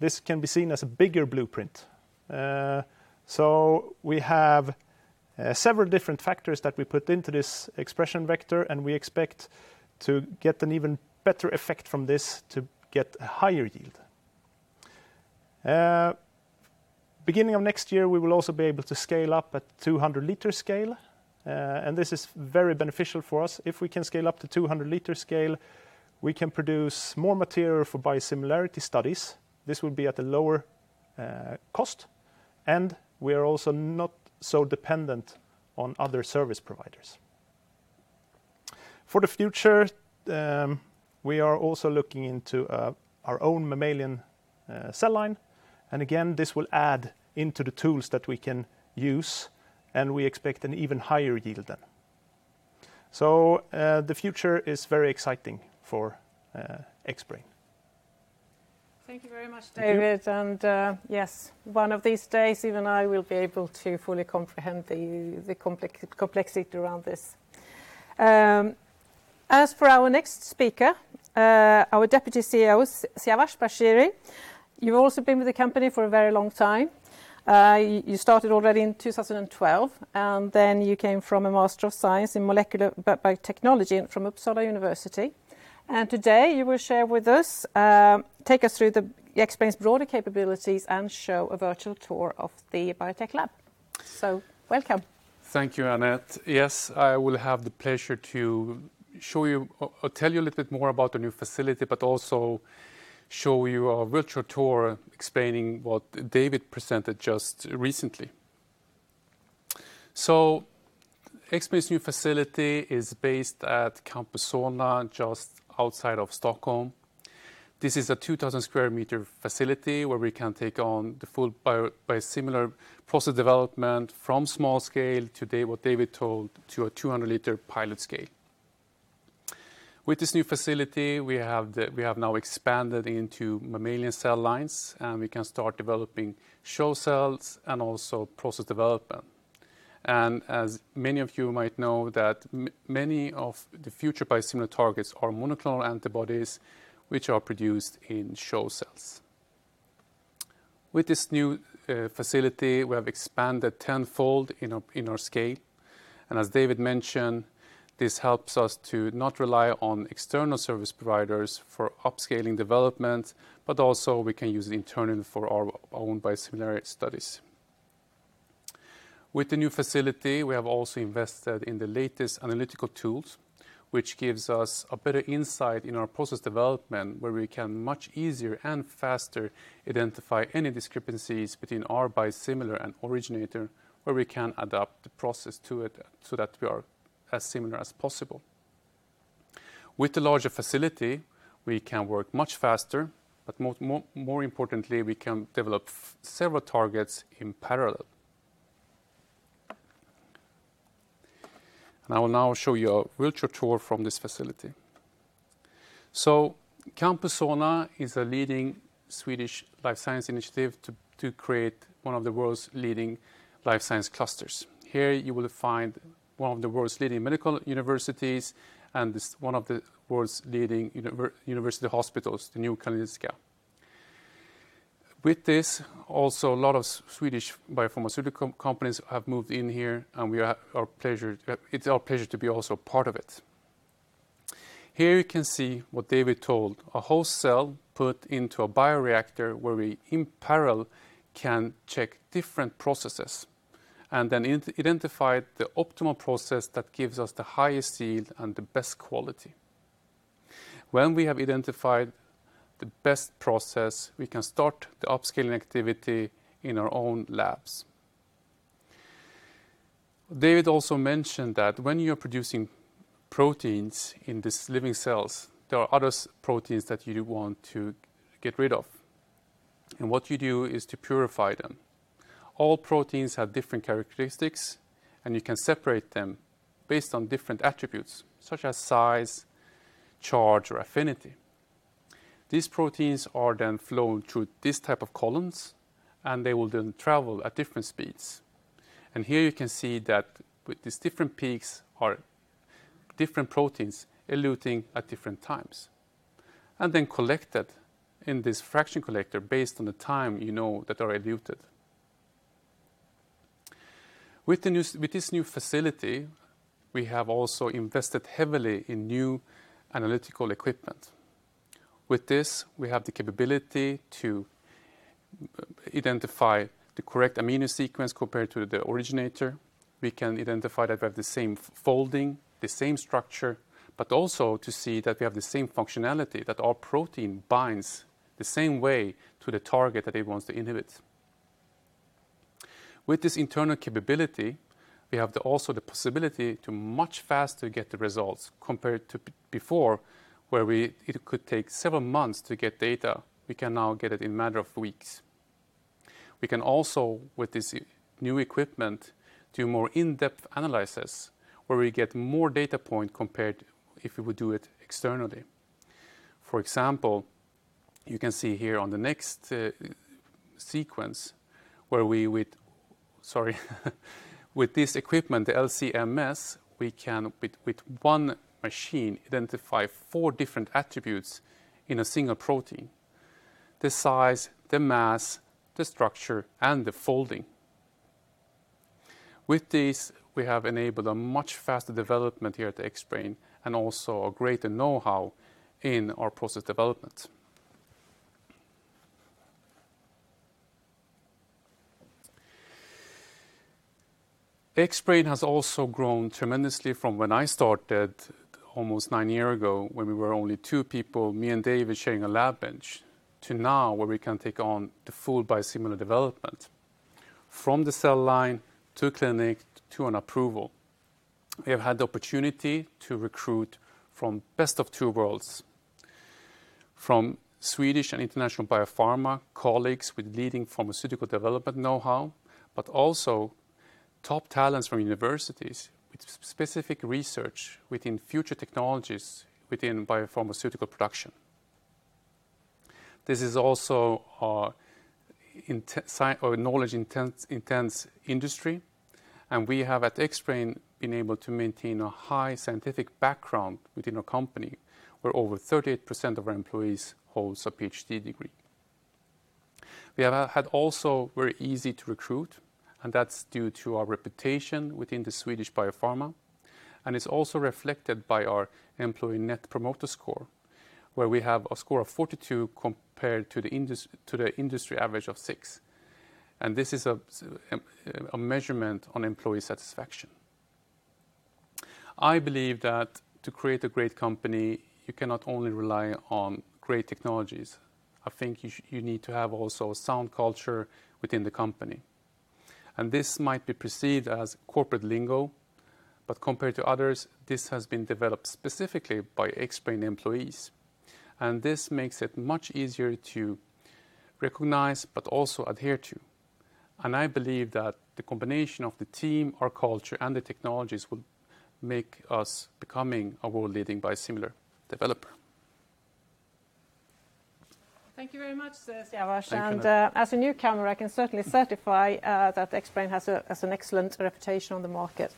This can be seen as a bigger blueprint. We have several different factors that we put into this expression vector, and we expect to get an even better effect from this to get a higher yield. Beginning of next year, we will also be able to scale up at 200 liter scale, this is very beneficial for us. If we can scale up to 200 liter scale, we can produce more material for biosimilarity studies. This will be at a lower cost, we are also not so dependent on other service providers. For the future, we are also looking into our own mammalian cell line. Again, this will add into the tools that we can use, and we expect an even higher yield than. The future is very exciting for Xbrane. Thank you very much, David. Yes, one of these days, even I will be able to fully comprehend the complexity around this. As for our next speaker, our Deputy CEO, Siavash Bashiri. You've also been with the company for a very long time. You started already in 2012, and then you came from a Master of Science in Molecular Biotechnology from Uppsala University. Today you will share with us, take us through the Xbrane's broader capabilities and show a virtual tour of the biotech lab. Welcome. Thank you, Anette. I will have the pleasure to tell you a little bit more about the new facility, also show you a virtual tour explaining what David presented just recently. Xbrane's new facility is based at Campus Solna, just outside of Stockholm. This is a 2,000 square meter facility where we can take on the full biosimilar process development from small scale to what David told, to a 200 liter pilot scale. With this new facility, we have now expanded into mammalian cell lines, and we can start developing CHO cells and also process development. As many of you might know that many of the future biosimilar targets are monoclonal antibodies, which are produced in CHO cells. With this new facility, we have expanded 10-fold in our scale. As David mentioned, this helps us to not rely on external service providers for upscaling development, but also we can use internal for our own biosimilar studies. With the new facility, we have also invested in the latest analytical tools, which gives us a better insight in our process development, where we can much easier and faster identify any discrepancies between our biosimilar and originator, where we can adapt the process to it so that we are as similar as possible. With the larger facility, we can work much faster, but more importantly, we can develop several targets in parallel. I will now show you a virtual tour from this facility. Campus Solna is a leading Swedish life science initiative to create one of the world's leading life science clusters. Here you will find one of the world's leading medical universities and one of the world's leading university hospitals, the New Karolinska. With this, also a lot of Swedish biopharmaceutical companies have moved in here, and it is our pleasure to be also part of it. Here you can see what David told. A host cell put into a bioreactor where we, in parallel, can check different processes and then identify the optimal process that gives us the highest yield and the best quality. When we have identified the best process, we can start the upscaling activity in our own labs. David also mentioned that when you are producing proteins in these living cells, there are other proteins that you want to get rid of, and what you do is to purify them. All proteins have different characteristics, and you can separate them based on different attributes, such as size, charge, or affinity. These proteins are then flowing through these type of columns, and they will then travel at different speeds. Here you can see that with these different peaks are different proteins eluting at different times. Collected in this fraction collector based on the time you know that are eluted. With this new facility, we have also invested heavily in new analytical equipment. With this, we have the capability to identify the correct amino sequence compared to the originator. We can identify that they have the same folding, the same structure, but also to see that they have the same functionality, that our protein binds the same way to the target that it wants to inhibit. With this internal capability, we have also the possibility to much faster get the results compared to before, where it could take several months to get data. We can now get it in a matter of weeks. We can also, with this new equipment, do more in-depth analysis, where we get more data point compared if we would do it externally. For example, you can see here on the next sequence where we, sorry, with this equipment, the LC-MS, we can, with one machine, identify four different attributes in a single protein, the size, the mass, the structure, and the folding. With this, we have enabled a much faster development here at Xbrane and also a greater knowhow in our process development. Xbrane has also grown tremendously from when I started almost nine year ago, when we were only two people, me and David sharing a lab bench, to now, where we can take on the full biosimilar development. From the cell line to clinic to an approval. We have had the opportunity to recruit from best of two worlds, from Swedish and international biopharma colleagues with leading pharmaceutical development knowhow, but also top talents from universities with specific research within future technologies within biopharmaceutical production. This is also a knowledge intense industry, and we have at Xbrane been able to maintain a high scientific background within our company, where over 38% of our employees holds a PhD degree. We have had also very easy to recruit, that's due to our reputation within the Swedish biopharma, and it's also reflected by our employee net promoter score, where we have a score of 42 compared to the industry average of six. This is a measurement on employee satisfaction. I believe that to create a great company, you cannot only rely on great technologies. I think you need to have also a sound culture within the company. This might be perceived as corporate lingo, but compared to others, this has been developed specifically by Xbrane employees. This makes it much easier to recognize but also adhere to. I believe that the combination of the team, our culture, and the technologies will make us becoming a world leading biosimilar developer. Thank you very much, Siavash. Thank you. As a newcomer, I can certainly certify that Xbrane has an excellent reputation on the market.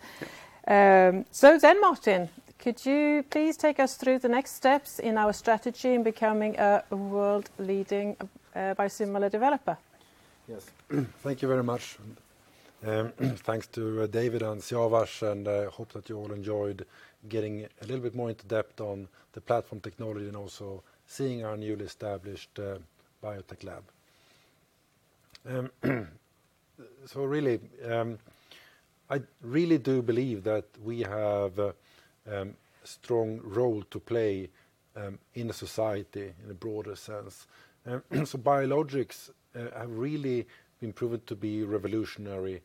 Martin, could you please take us through the next steps in our strategy in becoming a world leading biosimilar developer? Thank you very much. Thanks to David and Siavash. I hope that you all enjoyed getting a little bit more into depth on the platform technology and also seeing our newly established biotech lab. I really do believe that we have a strong role to play in society in a broader sense. Biologics have really been proven to be revolutionary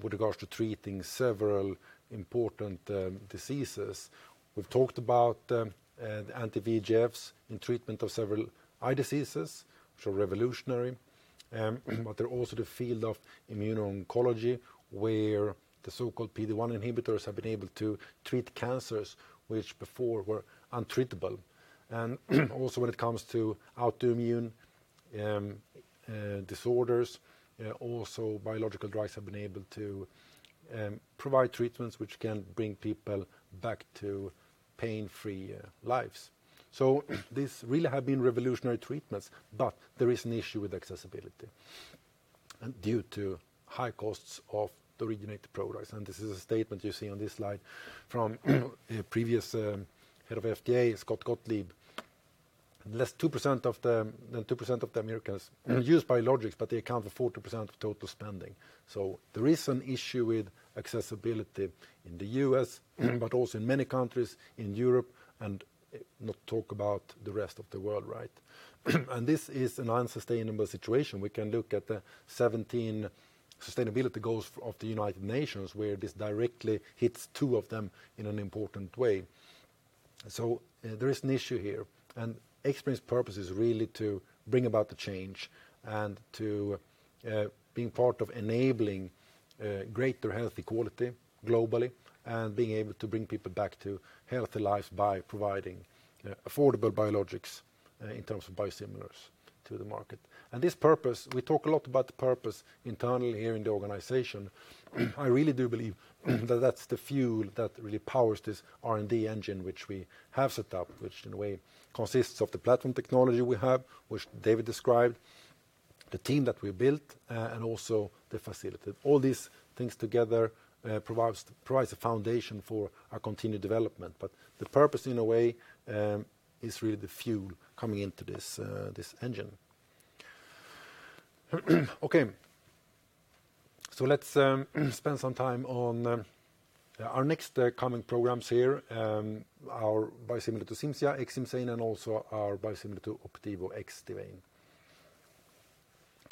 with regards to treating several important diseases. We've talked about anti-VEGFs in treatment of several eye diseases, so revolutionary. They're also the field of immuno-oncology, where the so-called PD-1 inhibitors have been able to treat cancers which before were untreatable. Also when it comes to autoimmune disorders, also biological drugs have been able to provide treatments which can bring people back to pain-free lives. This really have been revolutionary treatments, but there is an issue with accessibility due to high costs of the originator products. This is a statement you see on this slide from the previous Head of FDA, Scott Gottlieb, less than 2% of Americans use biologics, but they account for 40% of total spending. There is an issue with accessibility in the U.S., but also in many countries in Europe and not talk about the rest of the world. This is an unsustainable situation. We can look at the 17 sustainability goals of the United Nations, where this directly hits two of them in an important way. There is an issue here, and Xbrane's purpose is really to bring about the change and to being part of enabling greater health equality globally and being able to bring people back to healthy lives by providing affordable biologics in terms of biosimilars to the market. This purpose, we talk a lot about the purpose internally here in the organization. I really do believe that's the fuel that really powers this R&D engine, which we have set up, which in a way consists of the platform technology we have, which David described, the team that we built, and also the facility. All these things together provides the foundation for a continued development. The purpose, in a way, is really the fuel coming into this engine. Let's spend some time on our next coming programs here, our biosimilar to CIMZIA, Xcimzane, and also our biosimilar to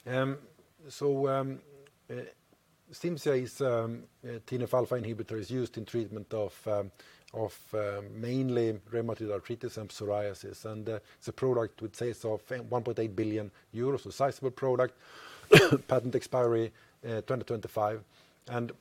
Opdivo, Xdivane. CIMZIA is a TNF-alpha inhibitor. It's used in treatment of mainly rheumatoid arthritis and psoriasis, and it's a product with sales of 1.8 billion euros, so sizable product. Patent expiry 2025. The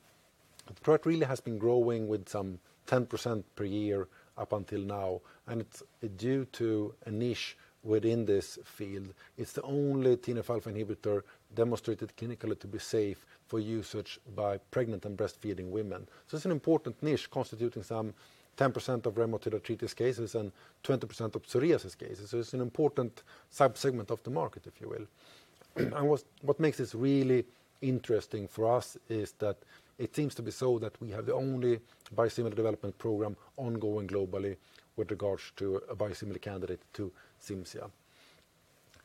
product really has been growing with some 10% per year up until now, and it's due to a niche within this field. It's the only TNF-alpha inhibitor demonstrated clinically to be safe for usage by pregnant and breastfeeding women. It's an important niche constituting some 10% of rheumatoid arthritis cases and 20% of psoriasis cases. It's an important subsegment of the market, if you will. What makes this really interesting for us is that it seems to be so that we have the only biosimilar development program ongoing globally with regards to a biosimilar candidate to CIMZIA.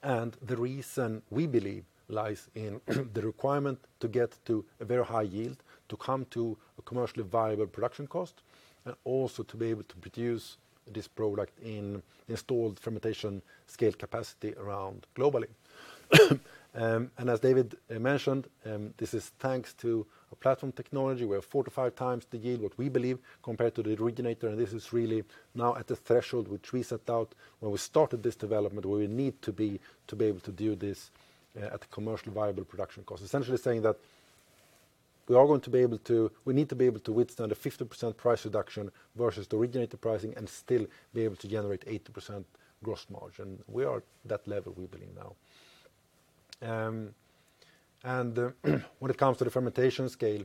The reason we believe lies in the requirement to get to a very high yield to come to a commercially viable production cost and also to be able to produce this product in installed fermentation scale capacity around globally. As David mentioned, this is thanks to a platform technology. We have four to five times the yield, what we believe, compared to the originator, and this is really now at the threshold which we set out when we started this development, where we need to be to be able to do this at a commercial viable production cost. Essentially saying that we need to be able to withstand a 50% price reduction versus the originator pricing and still be able to generate 80% gross margin. We are at that level, we believe now. When it comes to the fermentation scale,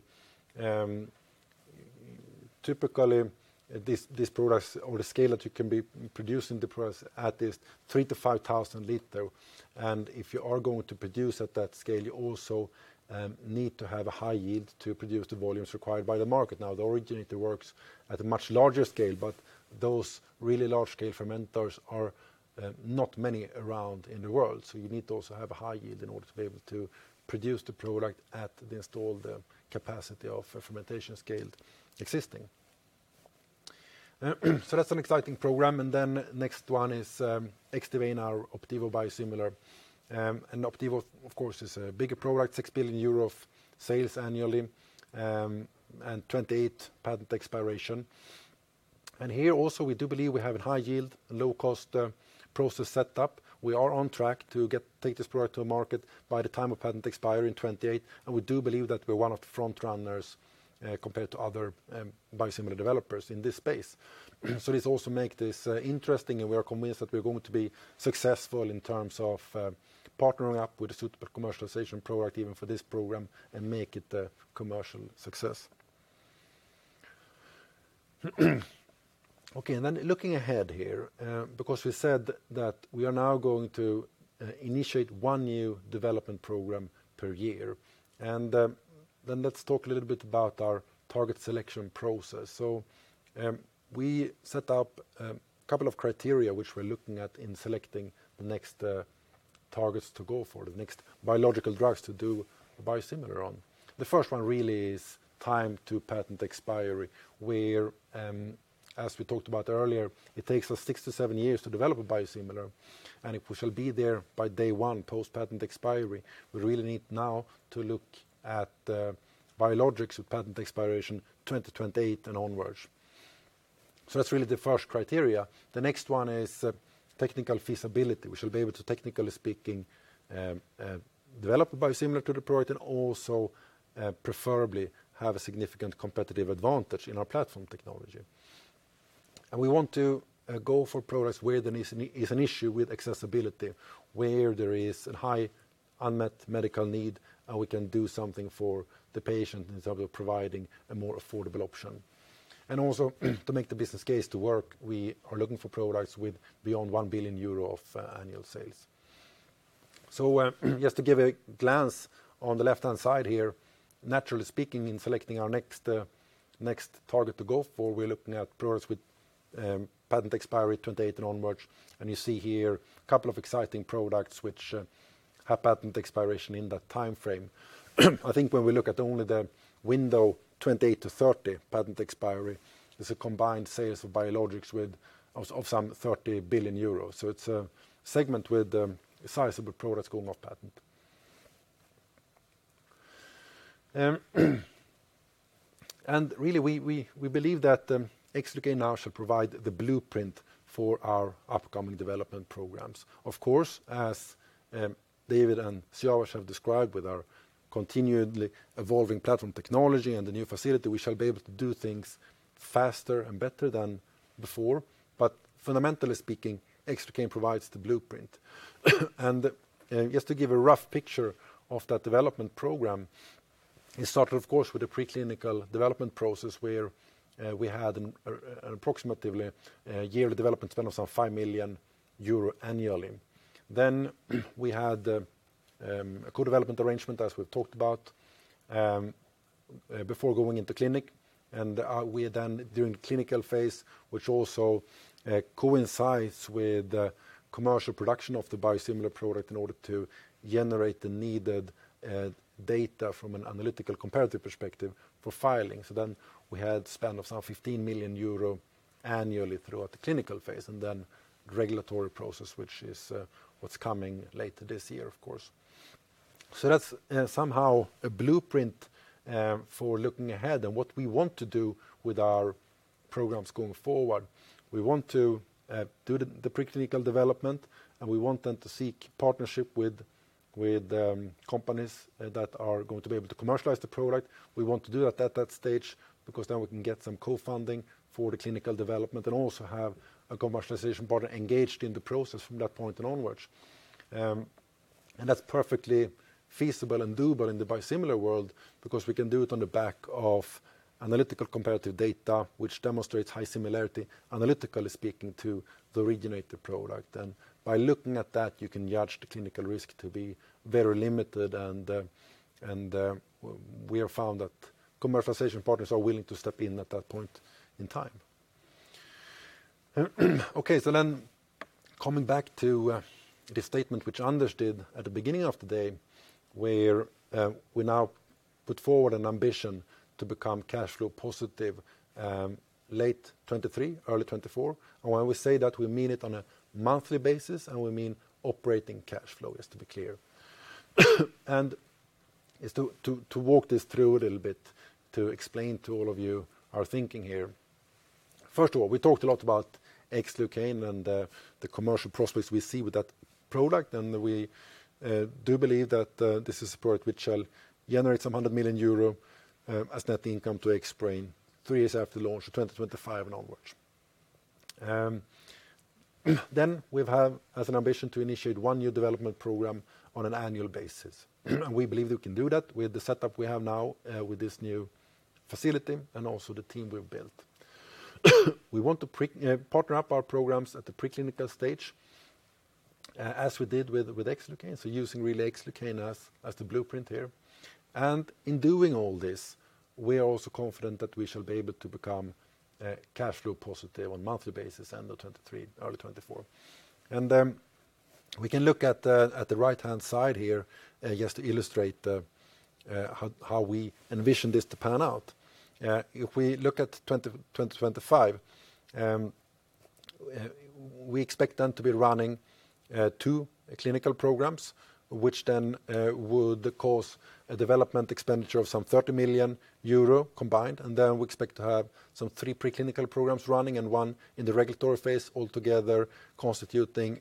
typically these products, or the scale that you can be producing the products at is 3,000 liters-5,000 liters. If you are going to produce at that scale, you also need to have a high yield to produce the volumes required by the market. The originator works at a much larger scale, but those really large scale fermenters are not many around in the world. You need to also have a high yield in order to be able to produce the product at the installed capacity of fermentation scale existing. That's an exciting program, and then next one is Xdivane, our Opdivo biosimilar. Opdivo, of course, is a bigger product, 6 billion euro of sales annually, and 2028 patent expiration. Here also, we do believe we have a high yield and low cost process set up. We are on track to take this product to market by the time of patent expiry in 2028. We do believe that we're one of the frontrunners compared to other biosimilar developers in this space. This also makes this interesting. We are convinced that we're going to be successful in terms of partnering up with a suitable commercialization product even for this program and make it a commercial success. Looking ahead here, because we said that we are now going to initiate one new development program per year. Let's talk a little bit about our target selection process. We set up a couple of criteria which we're looking at in selecting the next targets to go for, the next biological drugs to do a biosimilar on. The first one really is time to patent expiry, where, as we talked about earlier, it takes us six to seven years to develop a biosimilar, and if we shall be there by day one post-patent expiry, we really need now to look at the biologics with patent expiration 2028 and onwards. That's really the first criteria. The next one is technical feasibility. We should be able to, technically speaking, develop a biosimilar to the product and also preferably have a significant competitive advantage in our platform technology. We want to go for products where there is an issue with accessibility, where there is a high unmet medical need, and we can do something for the patient in terms of providing a more affordable option. Also to make the business case to work, we are looking for products with beyond 1 billion euro of annual sales. Just to give a glance on the left-hand side here, naturally speaking, in selecting our next target to go for, we are looking at products with patent expiry 2028 onwards. You see here a couple of exciting products which have patent expiration in that timeframe. I think when we look at only the window 2028 to 2030 patent expiry, there is a combined sales of biologics of some 30 billion euros. It is a segment with a sizable product going off patent. Really, we believe that Xlucane now should provide the blueprint for our upcoming development programs. Of course, as David and Siavash have described, with our continually evolving platform technology and the new facility, we shall be able to do things faster and better than before. Fundamentally speaking, Xlucane provides the blueprint. Just to give a rough picture of that development program, we start, of course, with a preclinical development process where we had an approximately yearly development spend of some 5 million euro annually. We had a co-development arrangement, as we talked about, before going into clinic. We are then doing the clinical phase, which also coincides with the commercial production of the biosimilar product in order to generate the needed data from an analytical comparative perspective for filing. We had spend of some 15 million euro annually throughout the clinical phase, and then the regulatory process, which is what's coming later this year, of course. That's somehow a blueprint for looking ahead and what we want to do with our programs going forward. We want to do the preclinical development, and we want then to seek partnership with companies that are going to be able to commercialize the product. We want to do that at that stage because then we can get some co-funding for the clinical development and also have a commercialization partner engaged in the process from that point onwards. That's perfectly feasible and doable in the biosimilar world because we can do it on the back of analytical comparative data, which demonstrates high similarity, analytically speaking, to the originator product. By looking at that, you can judge the clinical risk to be very limited, and we have found that commercialization partners are willing to step in at that point in time. Coming back to the statement which Anders did at the beginning of the day, where we now put forward an ambition to become cash flow positive late 2023, early 2024. When we say that, we mean it on a monthly basis, and we mean operating cash flow, just to be clear. To walk this through a little bit, to explain to all of you our thinking here. First of all, we talked a lot about Xlucane and the commercial prospects we see with that product, and we do believe that this is a product which shall generate some 100 million euro as net income to Xbrane three years after launch in 2025 and onwards. We have as an ambition to initiate one new development program on an annual basis. We believe we can do that with the setup we have now with this new facility and also the team we've built. We want to partner up our programs at the preclinical stage, as we did with Xlucane, using really Xlucane as the blueprint here. In doing all this, we are also confident that we shall be able to become cash flow positive on a monthly basis end of 2023, early 2024. We can look at the right-hand side here just to illustrate how we envision this to pan out. If we look at 2025. We expect them to be running two clinical programs, which then would cause a development expenditure of some 30 million euro combined. We expect to have some three pre-clinical programs running and one in the regulatory phase altogether constituting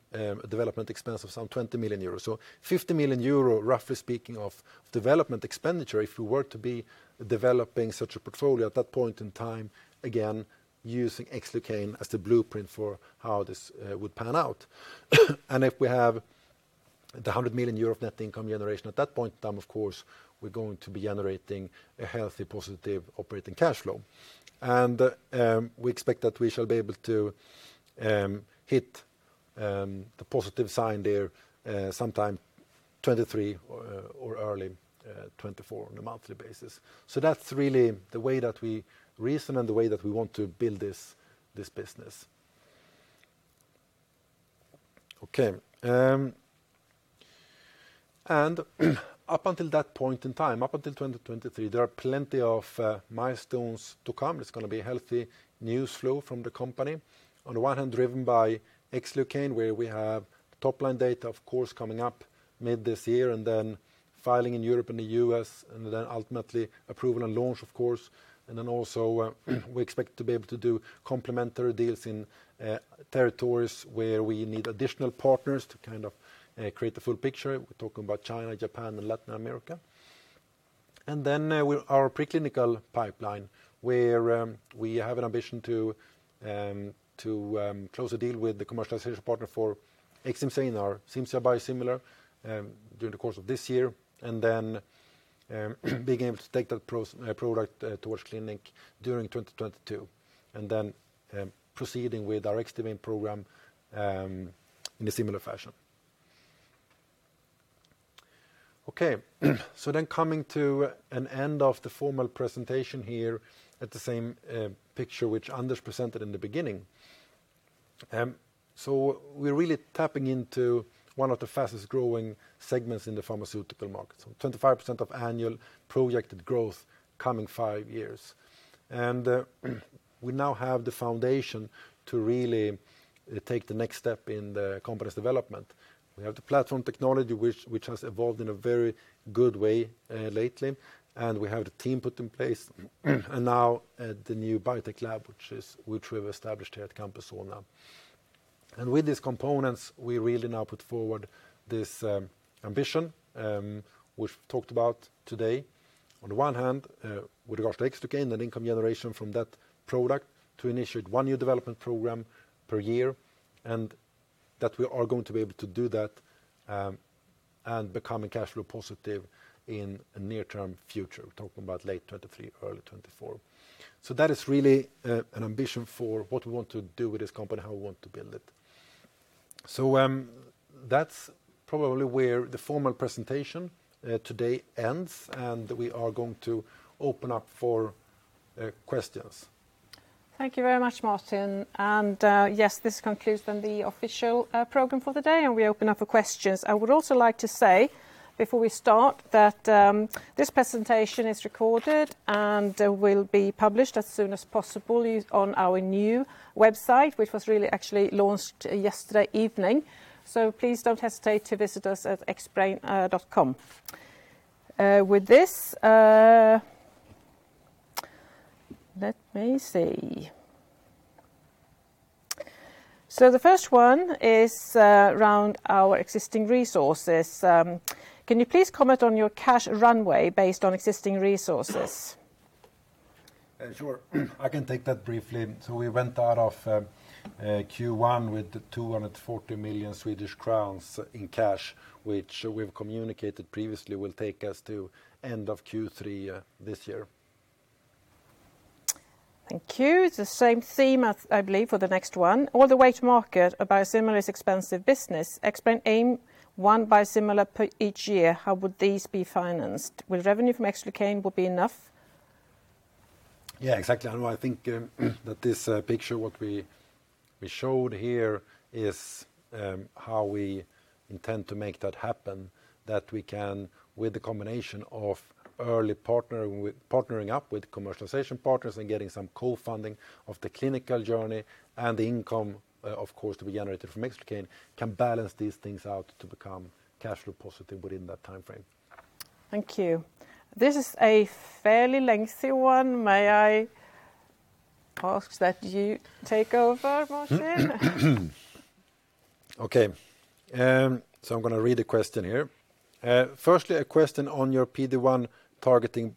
development expenses of some 20 million euros. 50 million euros, roughly speaking, of development expenditure if we were to be developing such a portfolio at that point in time, again, using Xlucane as the blueprint for how this would pan out. If we have the 100 million euro net income generation at that point in time, of course, we're going to be generating a healthy positive operating cash flow. We expect that we shall be able to hit the positive sign there sometime 2023 or early 2024 on a monthly basis. That's really the way that we reason and the way that we want to build this business. Okay. Up until that point in time, up until 2023, there are plenty of milestones to come. It's going to be healthy news flow from the company. On the one hand, driven by Xlucane, where we have top-line data, of course, coming up mid this year, and then filing in Europe and the U.S., and then ultimately approval and launch, of course. We expect to be able to do complementary deals in territories where we need additional partners to kind of create the full picture. We're talking about China, Japan, and Latin America. Our pre-clinical pipeline, where we have an ambition to close a deal with the commercialization partner for Xcimzane, our CIMZIA biosimilar, during the course of this year. Begin to take that product towards clinic during 2022, and then proceeding with our Xdivane program in a similar fashion. Okay. Coming to an end of the formal presentation here at the same picture which Anders presented in the beginning. We're really tapping into one of the fastest-growing segments in the pharmaceutical market, so 25% of annual projected growth coming five years. We now have the foundation to really take the next step in the company's development. We have the platform technology, which has evolved in a very good way lately, and we have the team put in place, and now the new biotech lab, which we've established here at Campus Solna. With these components, we really now put forward this ambition, which we've talked about today. On the one hand, with regards to Xlucane and income generation from that product to initiate one new development program per year, and that we are going to be able to do that and become a cash flow positive in the near-term future. We're talking about late 2023, early 2024. That is really an ambition for what we want to do with this company, how we want to build it. That's probably where the formal presentation today ends, and we are going to open up for questions. Thank you very much, Martin. Yes, this concludes the official program for the day, and we open up for questions. I would also like to say, before we start, that this presentation is recorded and will be published as soon as possible on our new website, which was really actually launched yesterday evening. Please don't hesitate to visit us at xbrane.com. With this, let me see. The first one is around our existing resources. Can you please comment on your cash runway based on existing resources? Sure. I can take that briefly. We went out of Q1 with 240 million Swedish crowns in cash, which we've communicated previously will take us to end of Q3 this year. Thank you. It's the same theme, I believe, for the next one. All the way to market, a biosimilar is expensive business. Xbrane aim one biosimilar per each year. How would these be financed? Will revenue from Xlucane would be enough? Yeah, exactly. I think that this picture, what we showed here is how we intend to make that happen. That we can, with the combination of early partnering up with commercialization partners and getting some co-funding of the clinical journey and income, of course, to be generated from Xlucane, can balance these things out to become cash flow positive within that timeframe. Thank you. This is a fairly lengthy one. May I ask that you take over, Martin? Okay. I'm going to read the question here. Firstly, a question on your PD-1 targeting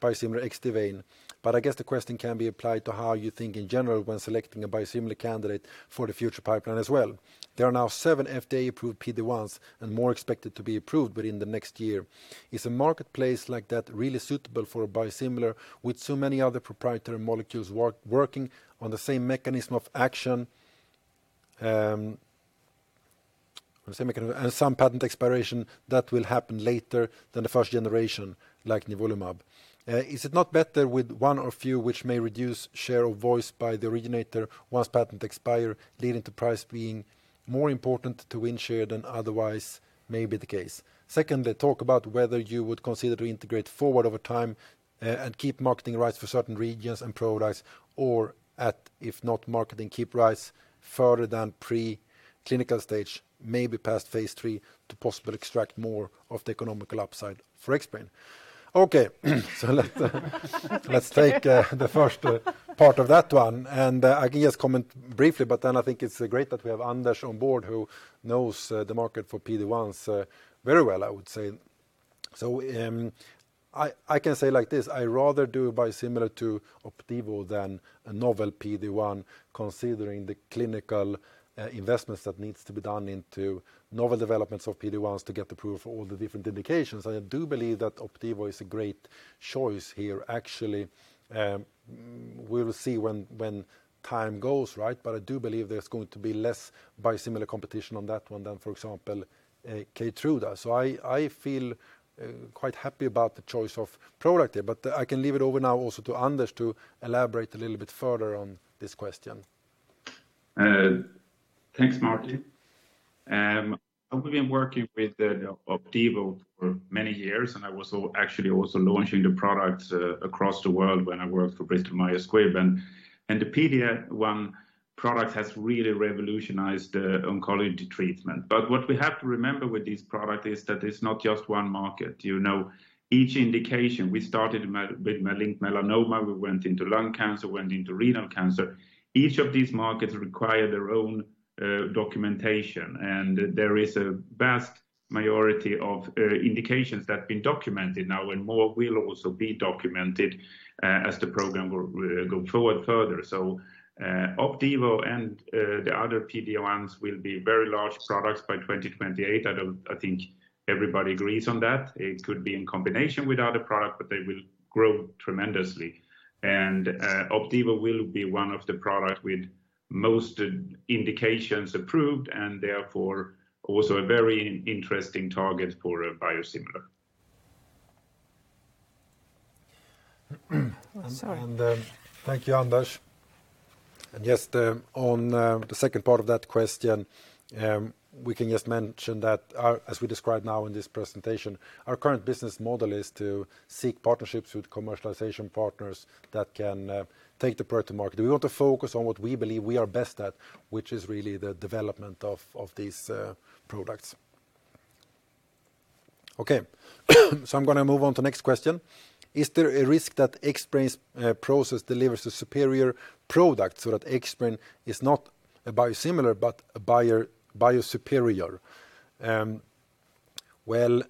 biosimilar Xdivane. I guess the question can be applied to how you think in general when selecting a biosimilar candidate for the future pipeline as well. There are now seven FDA-approved PD-1s and more expected to be approved within the next year. Is a marketplace like that really suitable for a biosimilar with so many other proprietary molecules working on the same mechanism of action, and some patent expiration that will happen later than the first generation, like nivolumab? Is it not better with one or few which may reduce share of voice by the originator once patents expire, leading to price being more important to win share than otherwise may be the case? Secondly, talk about whether you would consider to integrate forward over time and keep marketing rights for certain regions and products or at if not marketing, keep rights further than preclinical stage, maybe past phase III to possibly extract more of the economical upside for Xbrane. Okay. Let's take the first part of that one, and I can just comment briefly, but then I think it's great that we have Anders on board who knows the market for PD-1s very well, I would say. I can say it like this. I rather do a biosimilar to Opdivo than a novel PD-1, considering the clinical investments that needs to be done into novel developments of PD-1s to get the proof of all the different indications. I do believe that Opdivo is a great choice here, actually. We will see when time goes, but I do believe there's going to be less biosimilar competition on that one than, for example, KEYTRUDA. I feel quite happy about the choice of product there. I can leave it over now also to Anders to elaborate a little bit further on this question. Thanks, Martin. We've been working with Opdivo for many years. I was actually also launching the products across the world when I worked for Bristol Myers Squibb and the PD-1 product has really revolutionized oncology treatment. What we have to remember with this product is that it's not just one market. Each indication, we started with melanoma, we went into lung cancer, and went into renal cancer. Each of these markets require their own documentation. There is a vast majority of indications that have been documented now, and more will also be documented as the program will go forward further. Opdivo and the other PD-1s will be very large products by 2028. I think everybody agrees on that. It could be in combination with other products. They will grow tremendously. Opdivo will be one of the products with most indications approved and therefore also a very interesting target for a biosimilar. Thank you, Anders. Just on the second part of that question, we can just mention that as we described now in this presentation, our current business model is to seek partnerships with commercialization partners that can take the product to market. We want to focus on what we believe we are best at, which is really the development of these products. Okay, I'm going to move on to the next question. Is there a risk that Xbrane's process delivers a superior product so that Xbrane is not a biosimilar but a biosuperior? Well,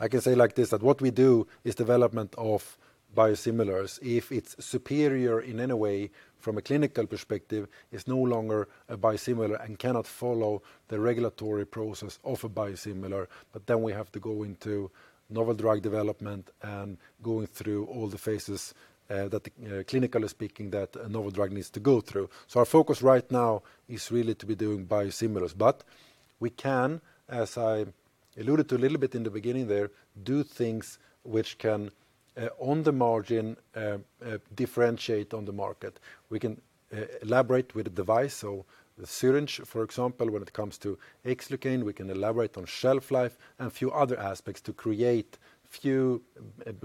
I can say like this, that what we do is development of biosimilars. If it's superior in any way from a clinical perspective, it's no longer a biosimilar and cannot follow the regulatory process of a biosimilar. We have to go into novel drug development and go through all the phases, clinically speaking, that a novel drug needs to go through. Our focus right now is really to be doing biosimilars. We can, as I alluded to a little bit in the beginning there, do things which can, on the margin, differentiate on the market. We can elaborate with a device. The syringe, for example, when it comes to Xlucane, we can elaborate on shelf life and a few other aspects to create few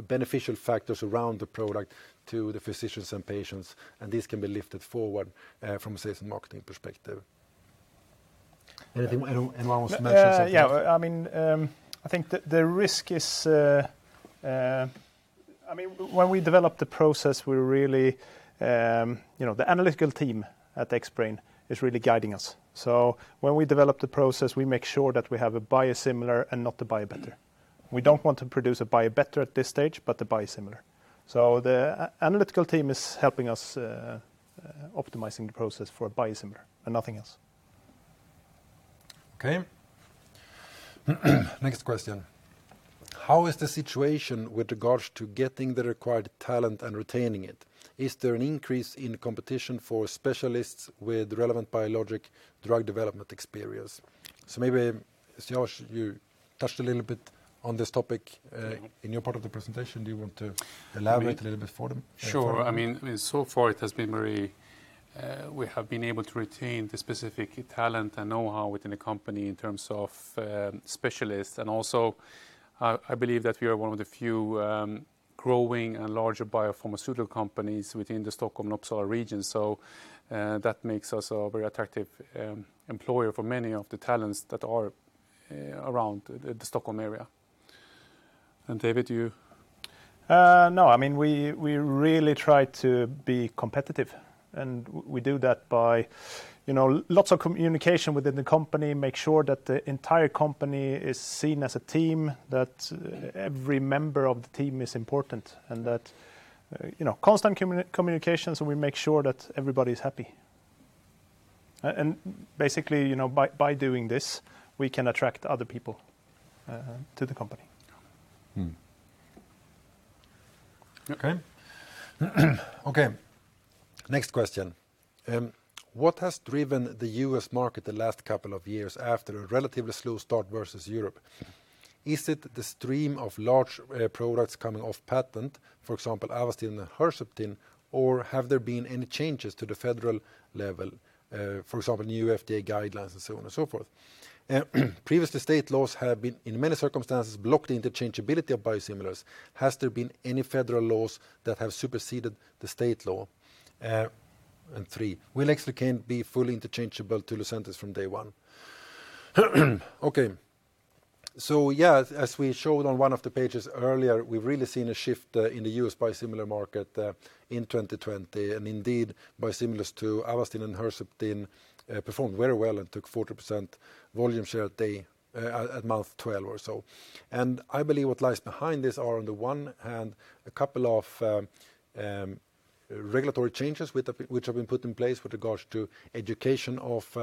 beneficial factors around the product to the physicians and patients, and this can be lifted forward from a sales and marketing perspective. Anyone wants to mention something? I think that the risk when we develop the process, the analytical team at Xbrane is really guiding us. When we develop the process, we make sure that we have a biosimilar and not the biobetter. We don't want to produce a biobetter at this stage, but the biosimilar. The analytical team is helping us optimizing the process for a biosimilar and nothing else. Okay. Next question. How is the situation with regards to getting the required talent and retaining it? Is there an increase in competition for specialists with relevant biologic drug development experience? Maybe, Siavash, you touched a little bit on this topic in your part of the presentation. Do you want to elaborate a little bit for them? Sure. So far, we have been able to retain the specific talent and know-how within the company in terms of specialists. Also, I believe that we are one of the few growing and larger biopharmaceutical companies within the Stockholm region. That makes us a very attractive employer for many of the talents that are around the Stockholm area. David, you? No, we really try to be competitive, and we do that by lots of communication within the company, make sure that the entire company is seen as a team, that every member of the team is important, and that constant communication, so we make sure that everybody's happy. Basically, by doing this, we can attract other people to the company. Okay. Next question. What has driven the U.S. market the last couple of years after a relatively slow start versus Europe? Is it the stream of large products coming off patent, for example, Avastin and Herceptin, or have there been any changes to the federal level, for example, new FDA guidelines and so on and so forth? Previous state laws have, in many circumstances, blocked the interchangeability of biosimilars. Have there been any federal laws that have superseded the state law? Three, will Xlucane be fully interchangeable to Lucentis from day one? Okay. Yeah, as we showed on one of the pages earlier, we've really seen a shift in the U.S. biosimilar market in 2020. Indeed, biosimilars to Avastin and Herceptin performed very well and took 40% volume share at month 12 or so. I believe what lies behind this are, on the one hand, a couple of regulatory changes which have been put in place with regards to education of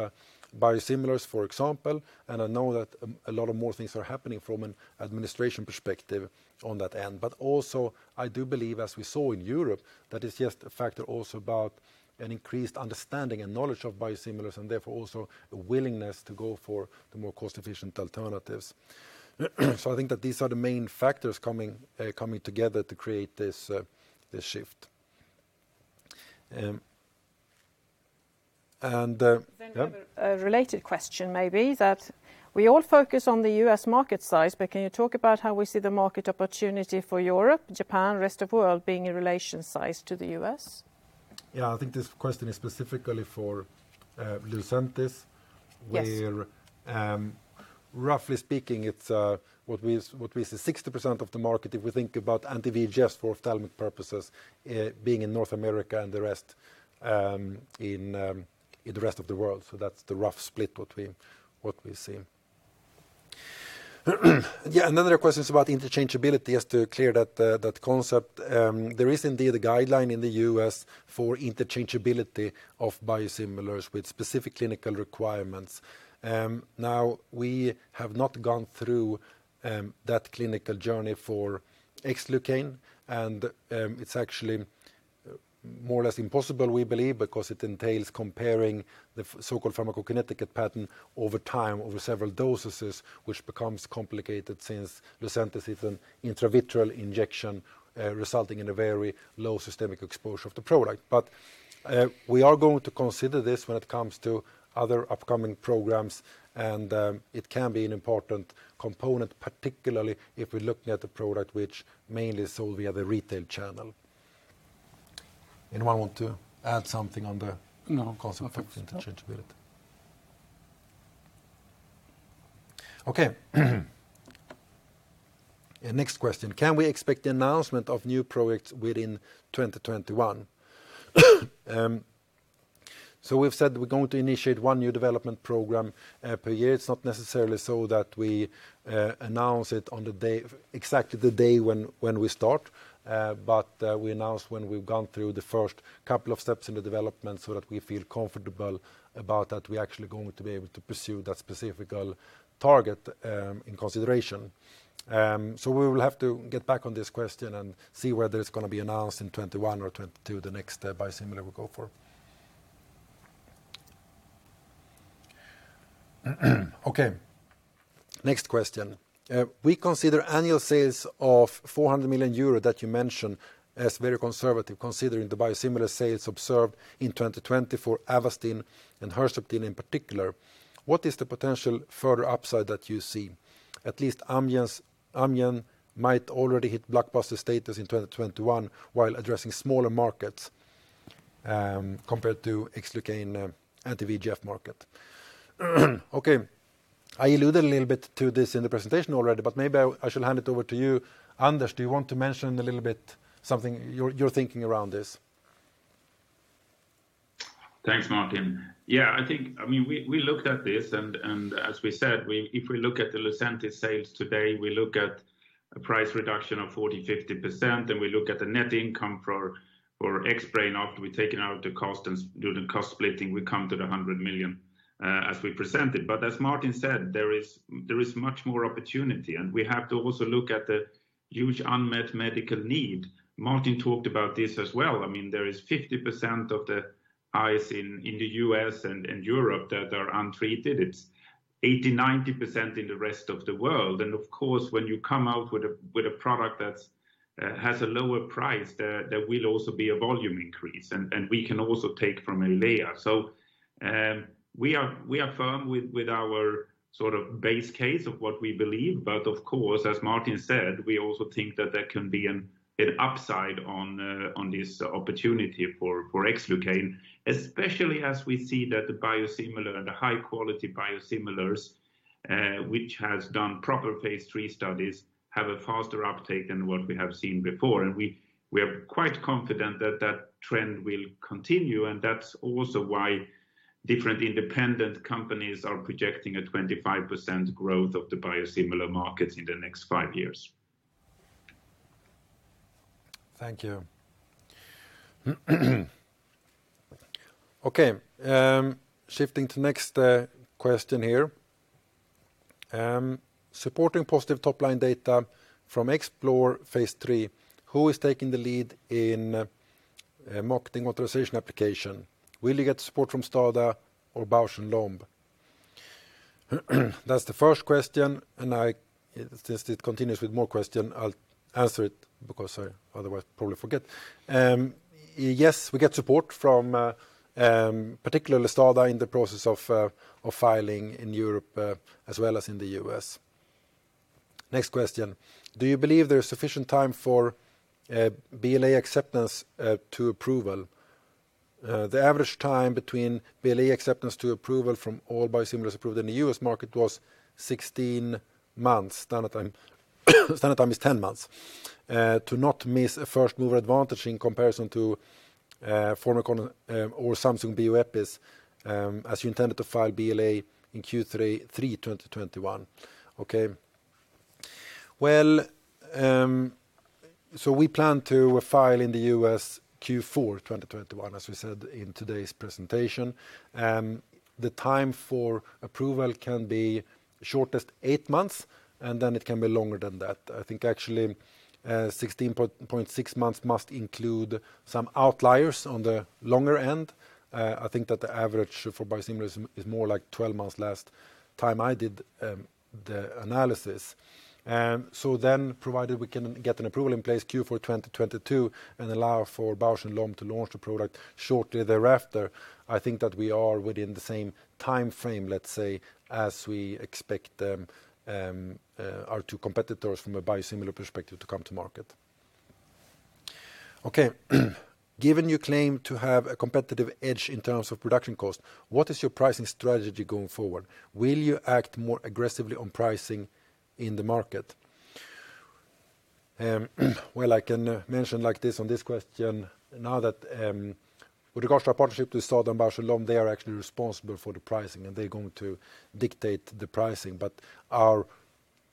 biosimilars, for example. I know that a lot more things are happening from an administration perspective on that end. Also, I do believe, as we saw in Europe, that it's just a factor also about an increased understanding and knowledge of biosimilars, and therefore also a willingness to go for the more cost-efficient alternatives. I think that these are the main factors coming together to create this shift. A related question may be that we all focus on the U.S. market size, but can you talk about how we see the market opportunity for Europe, Japan, rest of world being in relation size to the U.S.? Yeah, I think this question is specifically for Lucentis. Yes. Where roughly speaking, it's what we see 60% of the market if we think about anti-VEGF for ophthalmic purposes being in North America and the rest in the rest of the world. That's the rough split what we see. Yeah, another question is about interchangeability, just to clear that concept. There is indeed a guideline in the U.S. for interchangeability of biosimilars with specific clinical requirements. Now, we have not gone through that clinical journey for Xlucane, and it's actually more or less impossible, we believe, because it entails comparing the so-called pharmacokinetic pattern over time over several dosages, which becomes complicated since Lucentis is an intravitreal injection, resulting in a very low systemic exposure of the product. We are going to consider this when it comes to other upcoming programs, and it can be an important component, particularly if we're looking at a product which mainly is sold via the retail channel. Anyone want to add something on the? No Concept of interchangeability? Okay. Next question. Can we expect the announcement of new products within 2021? We've said we're going to initiate one new development program per year. It's not necessarily so that we announce it on exactly the day when we start, but we announce when we've gone through the first couple of steps in the development so that we feel comfortable about that we're actually going to be able to pursue that specific target in consideration. We will have to get back on this question and see whether it's going to be announced in 2021 or 2022, the next biosimilar we go for. Okay, next question. We consider annual sales of 400 million euro that you mentioned as very conservative, considering the biosimilar sales observed in 2020 for Avastin and Herceptin in particular. What is the potential further upside that you see? At least Amgen might already hit blockbuster status in 2021 while addressing smaller markets compared to Xlucane anti-VEGF market. Okay, I alluded a little bit to this in the presentation already. Maybe I should hand it over to you. Anders, do you want to mention a little bit something, your thinking around this? Thanks, Martin. Yeah, we looked at this. As we said, if we look at the Lucentis sales today, we look at a price reduction of 40%-50%, and we look at the net income for Xbrane after we've taken out the cost and do the cost splitting, we come to the 100 million as we presented. As Martin said, there is much more opportunity, and we have to also look at the huge unmet medical need. Martin talked about this as well. There is 50% of the eyes in the U.S. and Europe that are untreated. It's 80%-90% in the rest of the world. Of course, when you come out with a product that has a lower price, there will also be a volume increase, and we can also take from EYLEA. We are firm with our sort of base case of what we believe. Of course, as Martin said, we also think that there can be an upside on this opportunity for Xlucane, especially as we see that the biosimilar and the high-quality biosimilars, which has done proper phase III studies, have a faster uptake than what we have seen before. We are quite confident that trend will continue, and that's also why different independent companies are projecting a 25% growth of the biosimilar markets in the next five years. Thank you. Okay. Shifting to next question here. "Supporting positive top line data from Xplore phase III, who is taking the lead in marketing authorization application? Will you get support from STADA or Bausch + Lomb?" That's the first question. Since it continues with more question, I'll answer it because I otherwise probably forget. Yes, we get support from particularly STADA in the process of filing in Europe as well as in the U.S. Next question. "Do you believe there's sufficient time for BLA acceptance to approval? The average time between BLA acceptance to approval from all biosimilars approved in the U.S. market was 16 months, standard time is 10 months. To not miss a first-mover advantage in comparison to Formycon or Samsung Bioepis as you intended to file BLA in Q3 2021." Okay. We plan to file in the U.S. Q4 2021, as we said in today's presentation. The time for approval can be shortest eight months, it can be longer than that. I think actually 16.6 months must include some outliers on the longer end. I think that the average for biosimilars is more like 12 months last time I did the analysis. Provided we can get an approval in place Q4 2022 and allow for Bausch + Lomb to launch the product shortly thereafter, I think that we are within the same timeframe, let's say, as we expect our two competitors from a biosimilar perspective to come to market. Okay. "Given you claim to have a competitive edge in terms of production cost, what is your pricing strategy going forward? Will you act more aggressively on pricing in the market? Well, I can mention like this on this question, now that with regards to our partnership with STADA and Bausch + Lomb, they are actually responsible for the pricing, and they're going to dictate the pricing.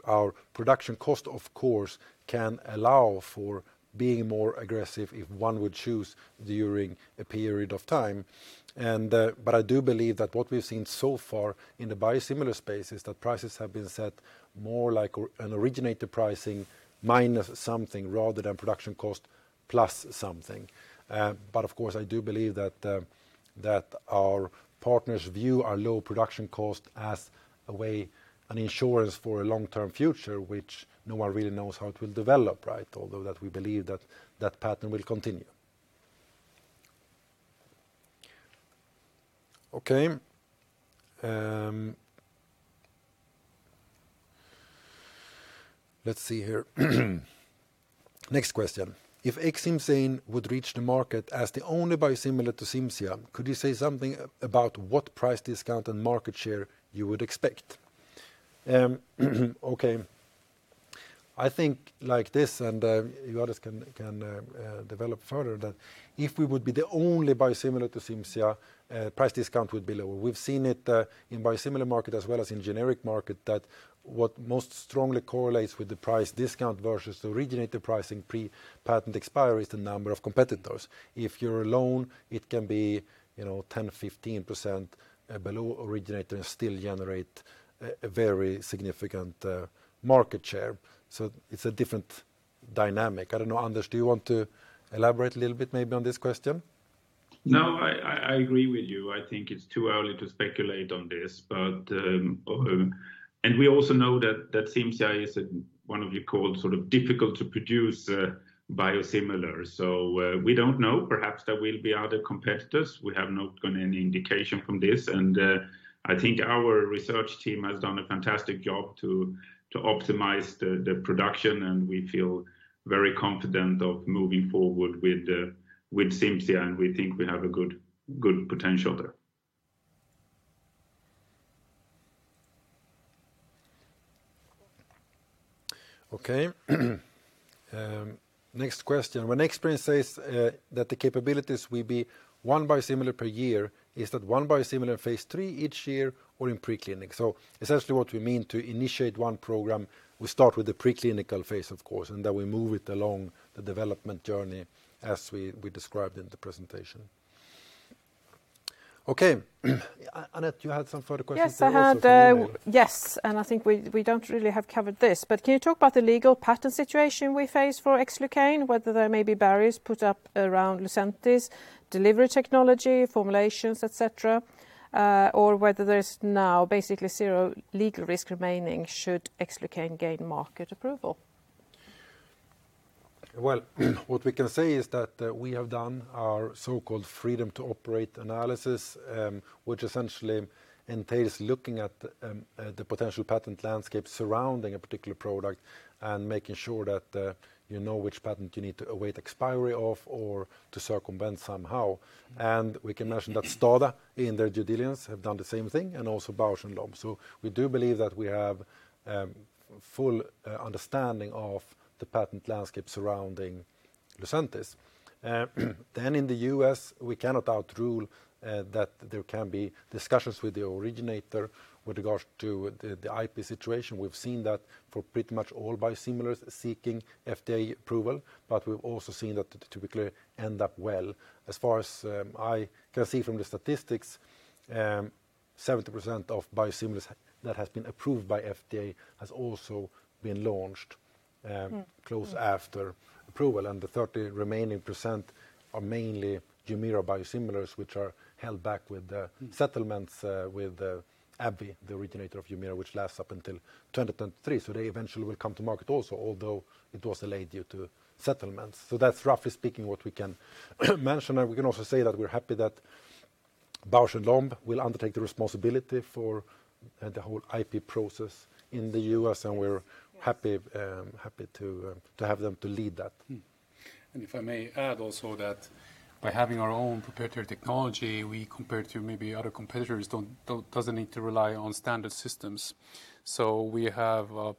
Our production cost, of course, can allow for being more aggressive if one would choose during a period of time. I do believe that what we've seen so far in the biosimilar space is that prices have been set more like an originator pricing minus something rather than production cost plus something. Of course, I do believe that our partners view our low production cost as a way, an insurance for a long-term future, which no one really knows how it will develop, although that we believe that pattern will continue. Okay. Let's see here. Next question. If Xcimzane would reach the market as the only biosimilar to CIMZIA, could you say something about what price discount and market share you would expect? Okay. I think like this, Anders can develop further, that if we would be the only biosimilar to CIMZIA, price discount would be lower. We've seen it in biosimilar market as well as in generic market that what most strongly correlates with the price discount versus originator pricing pre-patent expiry is the number of competitors. If you're alone, it can be 10%-15% below originator and still generate a very significant market share. It's a different dynamic. I don't know, Anders, do you want to elaborate a little bit maybe on this question? No, I agree with you. I think it's too early to speculate on this. We also know that Xcimzane is one of the difficult to produce biosimilar. We don't know. Perhaps there will be other competitors. We have not gotten any indication from this, and I think our research team has done a fantastic job to optimize the production, and we feel very confident of moving forward with CIMZIA, and we think we have a good potential there. Okay. Next question. "When Xbrane says that the capabilities will be one biosimilar per year, is that one biosimilar in phase III each year or in preclinical?" Essentially what we mean to initiate one program, we start with the preclinical phase, of course, and then we move it along the development journey as we described in the presentation. Okay. Anette, you had some further questions? Yes. I think we don't really have covered this. Can you talk about the legal patent situation we face for Xlucane, whether there may be barriers put up around Lucentis, delivery technology, formulations, et cetera, or whether there's now basically zero legal risk remaining should Xlucane gain market approval? Well, what we can say is that we have done our so-called freedom to operate analysis, which essentially entails looking at the potential patent landscape surrounding a particular product and making sure that you know which patent you need to await expiry of or to circumvent somehow. We can mention that STADA, in their due diligence, have done the same thing, and also Bausch + Lomb. We do believe that we have full understanding of the patent landscape surrounding Lucentis. In the U.S., we cannot outrule that there can be discussions with the originator with regards to the IP situation. We've seen that for pretty much all biosimilars seeking FDA approval, but we've also seen that it typically end up well. As far as I can see from the statistics, 70% of biosimilars that has been approved by FDA has also been launched close after approval. The 30 remaining percent are mainly HUMIRA biosimilars, which are held back with the settlements with AbbVie, the originator of HUMIRA, which lasts up until 2023. They eventually will come to market also, although it was delayed due to settlements. That's roughly speaking what we can mention. We can also say that we're happy that Bausch + Lomb will undertake the responsibility for the whole IP process in the U.S., and we're happy to have them to lead that. If I may add also that by having our own proprietary technology, we compared to maybe other competitors, doesn't need to rely on standard systems. We have a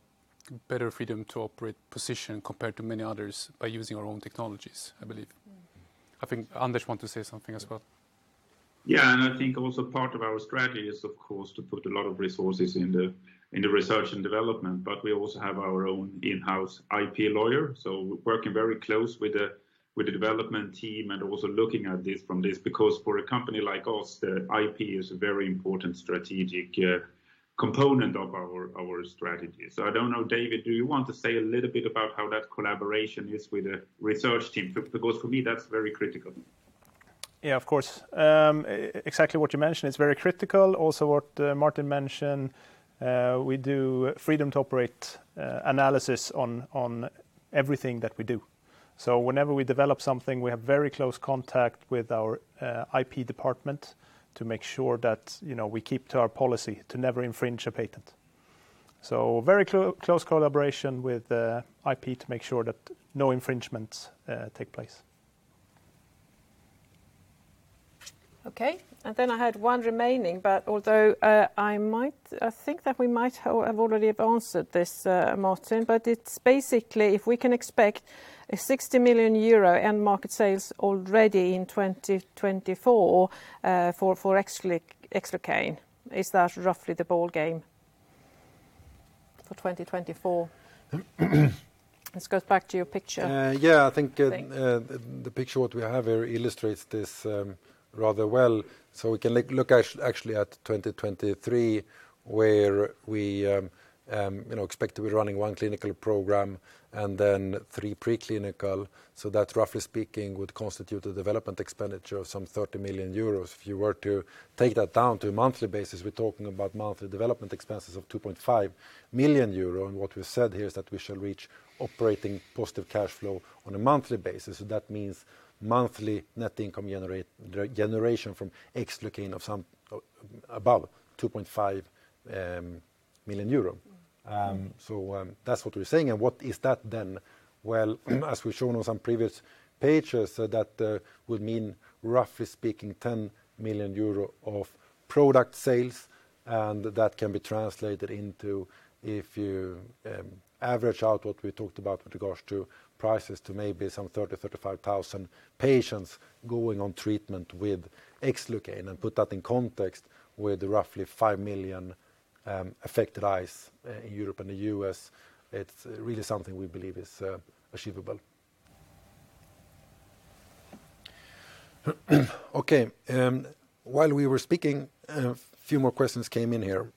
better freedom to operate position compared to many others by using our own technologies, I believe. I think Anders want to say something as well. Yeah, I think also part of our strategy is, of course, to put a lot of resources into research and development. We also have our own in-house IP lawyer. Working very close with the development team and also looking at it from this, because for a company like us, the IP is a very important strategic component of our strategy. I don't know, David, do you want to say a little bit about how that collaboration is with the research team? Because for me, that's very critical. Of course. Exactly what you mentioned, it's very critical. Also what Martin mentioned, we do freedom to operate analysis on everything that we do. Whenever we develop something, we have very close contact with our IP department to make sure that we keep to our policy to never infringe a patent. Very close collaboration with IP to make sure that no infringements take place. Okay. I had one remaining, but although I think that we might have already answered this, Martin, but it's basically if we can expect a 60 million euro end market sales already in 2024 for Xlucane. Is that roughly the ballgame for 2024? Let's go back to your picture. Yeah, I think the picture what we have here illustrates this rather well. We can look actually at 2023, where we expect to be running one clinical program and then three preclinical. That, roughly speaking, would constitute a development expenditure of some 30 million euros. If you were to take that down to a monthly basis, we're talking about monthly development expenses of 2.5 million euros. What we've said here is that we shall reach operating positive cash flow on a monthly basis. That means monthly net income generation from Xlucane of above 2.5 million euro. That's what we're saying. What is that then? Well, as we've shown on some previous pages, that would mean, roughly speaking, 10 million euro of product sales, and that can be translated into, if you average out what we talked about with regards to prices to maybe some 30,000 patients-35,000 patients going on treatment with Xlucane. Put that in context with roughly 5 million affected eyes in Europe and the U.S., it's really something we believe is achievable. Okay. While we were speaking, a few more questions came in here.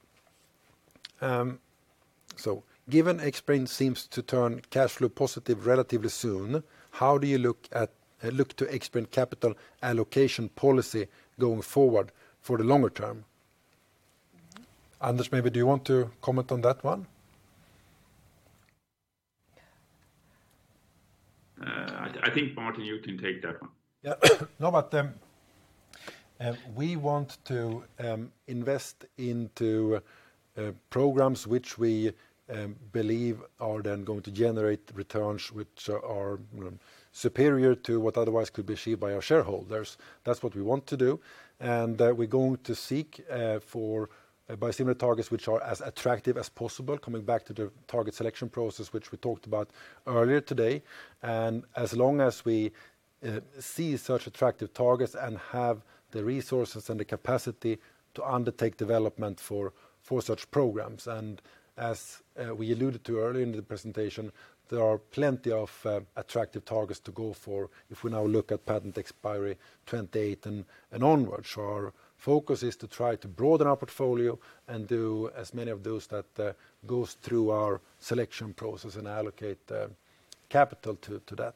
Given Xbrane seems to turn cash flow positive relatively soon, how do you look to Xbrane capital allocation policy going forward for the longer term? Anders, maybe do you want to comment on that one? I think, Martin, you can take that one. Yeah. No, we want to invest into programs which we believe are then going to generate returns which are superior to what otherwise could be received by our shareholders. That's what we want to do, we're going to seek for biosimilar targets which are as attractive as possible, coming back to the target selection process, which we talked about earlier today. As long as we see such attractive targets and have the resources and the capacity to undertake development for such programs. As we alluded to earlier in the presentation, there are plenty of attractive targets to go for if we now look at patent expiry 2018 and onwards. Our focus is to try to broaden our portfolio and do as many of those that goes through our selection process and allocate the capital to that.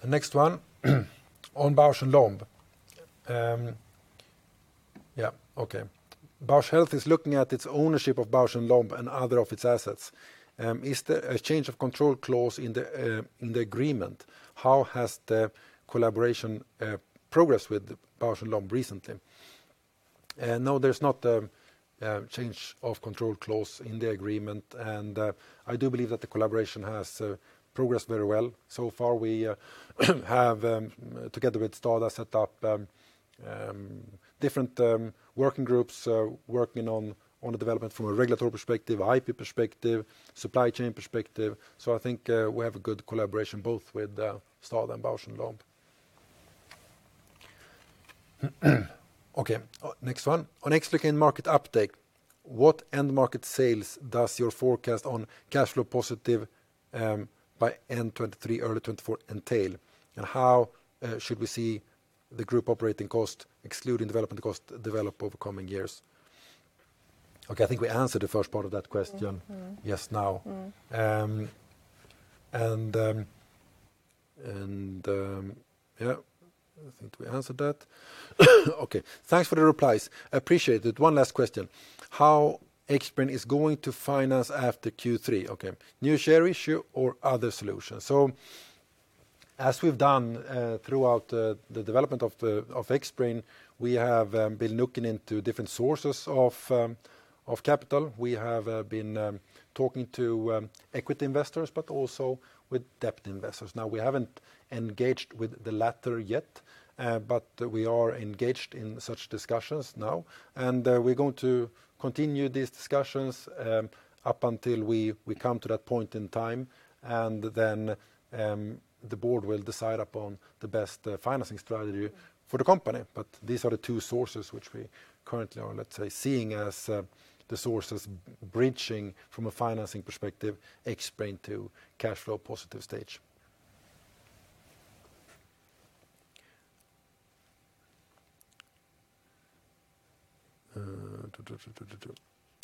The next one on Bausch + Lomb. Yeah. Okay. Bausch Health is looking at its ownership of Bausch + Lomb and other of its assets. Is there a change of control clause in the agreement? How has the collaboration progress with Bausch + Lomb recently? No, there's not a change of control clause in the agreement, and I do believe that the collaboration has progressed very well. Far, we have, together with STADA, set up different working groups, working on development from a regulatory perspective, IP perspective, supply chain perspective. I think we have a good collaboration both with STADA and Bausch + Lomb. Okay, next one. On Xlucane market update. What end market sales does your forecast on cash flow positive by end 2023, early 2024 entail? How should we see the group operating cost, excluding development cost, develop over coming years? Okay, I think we answered the first part of that question just now. I think we answered that. Okay, thanks for the replies. Appreciate it. One last question. How Xbrane is going to finance after Q3? Okay. New share issue or other solutions? As we've done throughout the development of Xbrane, we have been looking into different sources of capital. We have been talking to equity investors, but also with debt investors. We haven't engaged with the latter yet, but we are engaged in such discussions now, and we're going to continue these discussions up until we come to that point in time, and then the board will decide upon the best financing strategy for the company. These are the two sources which we currently are, let's say, seeing as the sources bridging, from a financing perspective, Xbrane to cash flow positive stage.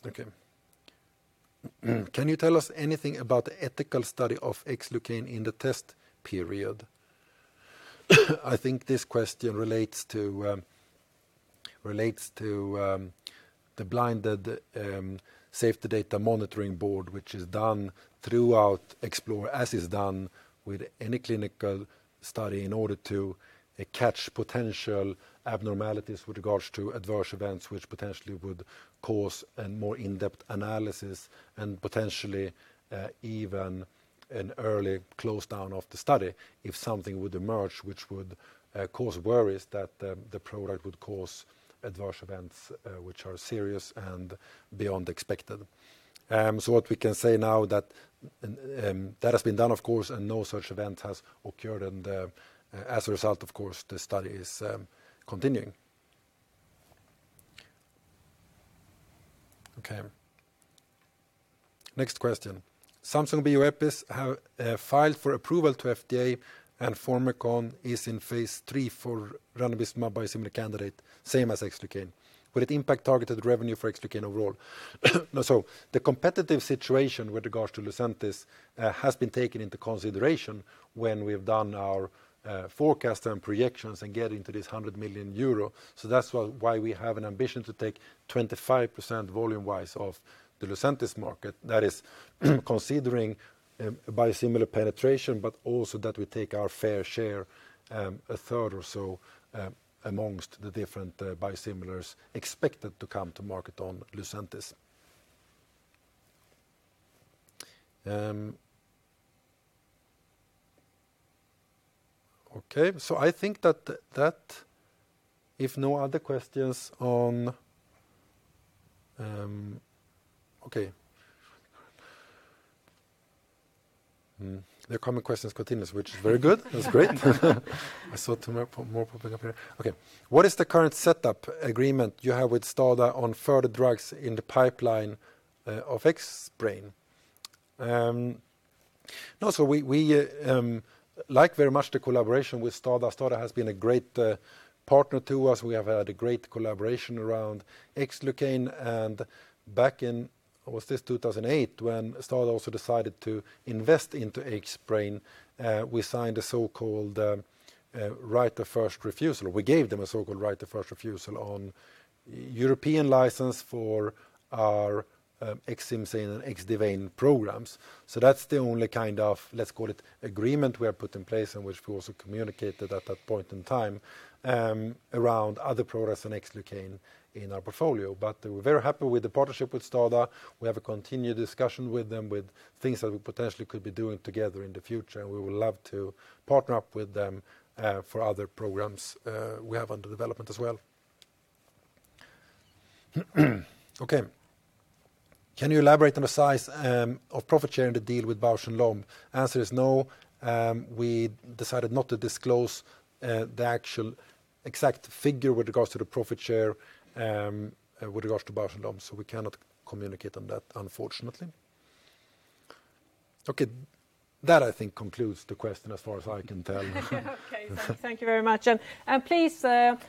Okay. Can you tell us anything about the ethical study of Xlucane in the test period? I think this question relates to the blinded Safety Data Monitoring Board, which is done throughout Xplore, as is done with any clinical study, in order to catch potential abnormalities with regards to adverse events, which potentially would cause a more in-depth analysis and potentially even an early close down of the study if something would emerge, which would cause worries that the product would cause adverse events which are serious and beyond expected. What we can say now, that has been done, of course, and no such event has occurred. As a result, of course, the study is continuing. Okay. Next question. Samsung Bioepis have filed for approval to FDA and Formycon is in phase III for ranibizumab biosimilar candidate, same as Xlucane. Will it impact targeted revenue for Xlucane overall? The competitive situation with regards to Lucentis has been taken into consideration when we've done our forecast and projections and getting to this 100 million euro. That's why we have an ambition to take 25% volume wise of the Lucentis market. That is considering biosimilar penetration, but also that we take our fair share, a third or so, amongst the different biosimilars expected to come to market on Lucentis. I think that if no other questions on. The common questions continues, which is very good. That's great. I saw two more pop up here. What is the current setup agreement you have with STADA on further drugs in the pipeline of Xbrane? We like very much the collaboration with STADA. STADA has been a great partner to us. We have had a great collaboration around Xlucane and back in, was this 2008, when STADA also decided to invest into Xbrane, we signed a so-called right of first refusal. We gave them a so-called right of first refusal on European license for our Xcimzane and Xdivane programs. That's the only kind of, let's call it, agreement we have put in place and which we also communicated at that point in time around other products than Xlucane in our portfolio. We're very happy with the partnership with STADA. We have a continued discussion with them, with things that we potentially could be doing together in the future, and we would love to partner up with them for other programs we have under development as well. Okay. Can you elaborate on the size of profit share in the deal with Bausch + Lomb? Answer is no. We decided not to disclose the actual exact figure with regards to the profit share with regards to Bausch + Lomb. We cannot communicate on that, unfortunately. Okay. That, I think, concludes the question as far as I can tell. Okay. Thank you very much. Please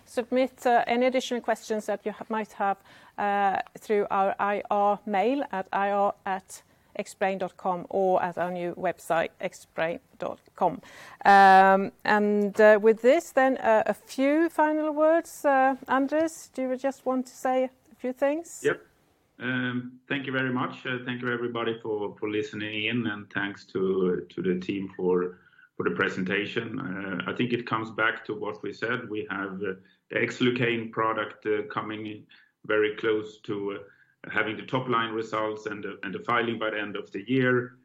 submit any additional questions that you might have to our IR mail at ir@xbrane.com or at our new website, xbrane.com. With this, a few final words. Anders, do you just want to say a few things? Yep. Thank you very much. Thank you, everybody, for listening in. Thanks to the team for the presentation. I think it comes back to what we said. We have the Xlucane product coming very close to having the top line results and the filing by the end of the year.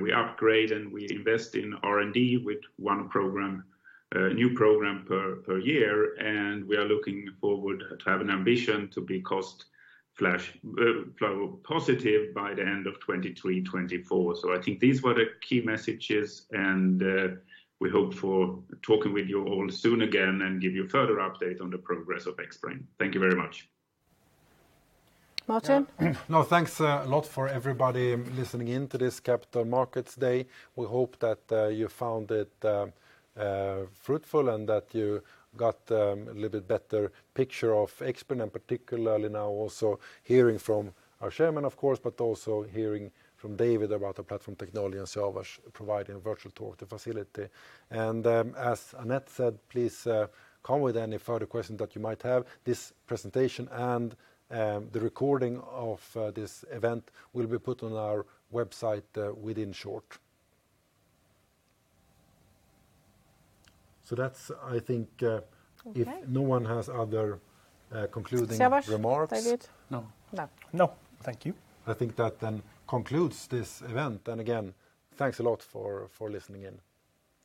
We upgrade and we invest in R&D with one new program per year, and we are looking forward to have an ambition to be cash flow positive by the end of 2023, 2024. I think these were the key messages, and we hope for talking with you all soon again and give you a further update on the progress of Xbrane. Thank you very much. Martin? No, thanks a lot for everybody listening in to this Capital Markets Day. We hope that you found it fruitful and that you got a little better picture of Xbrane, and particularly now also hearing from our Chairman, of course, but also hearing from David about the platform technology and Siavash providing virtual tour of the facility. As Anette said, please come with any further questions that you might have. This presentation and the recording of this event will be put on our website within short. Okay if no one has other concluding remarks. Siavash, very good? No. No. No. Thank you. I think that then concludes this event. Again, thanks a lot for listening in.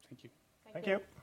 Thank you. Thank you.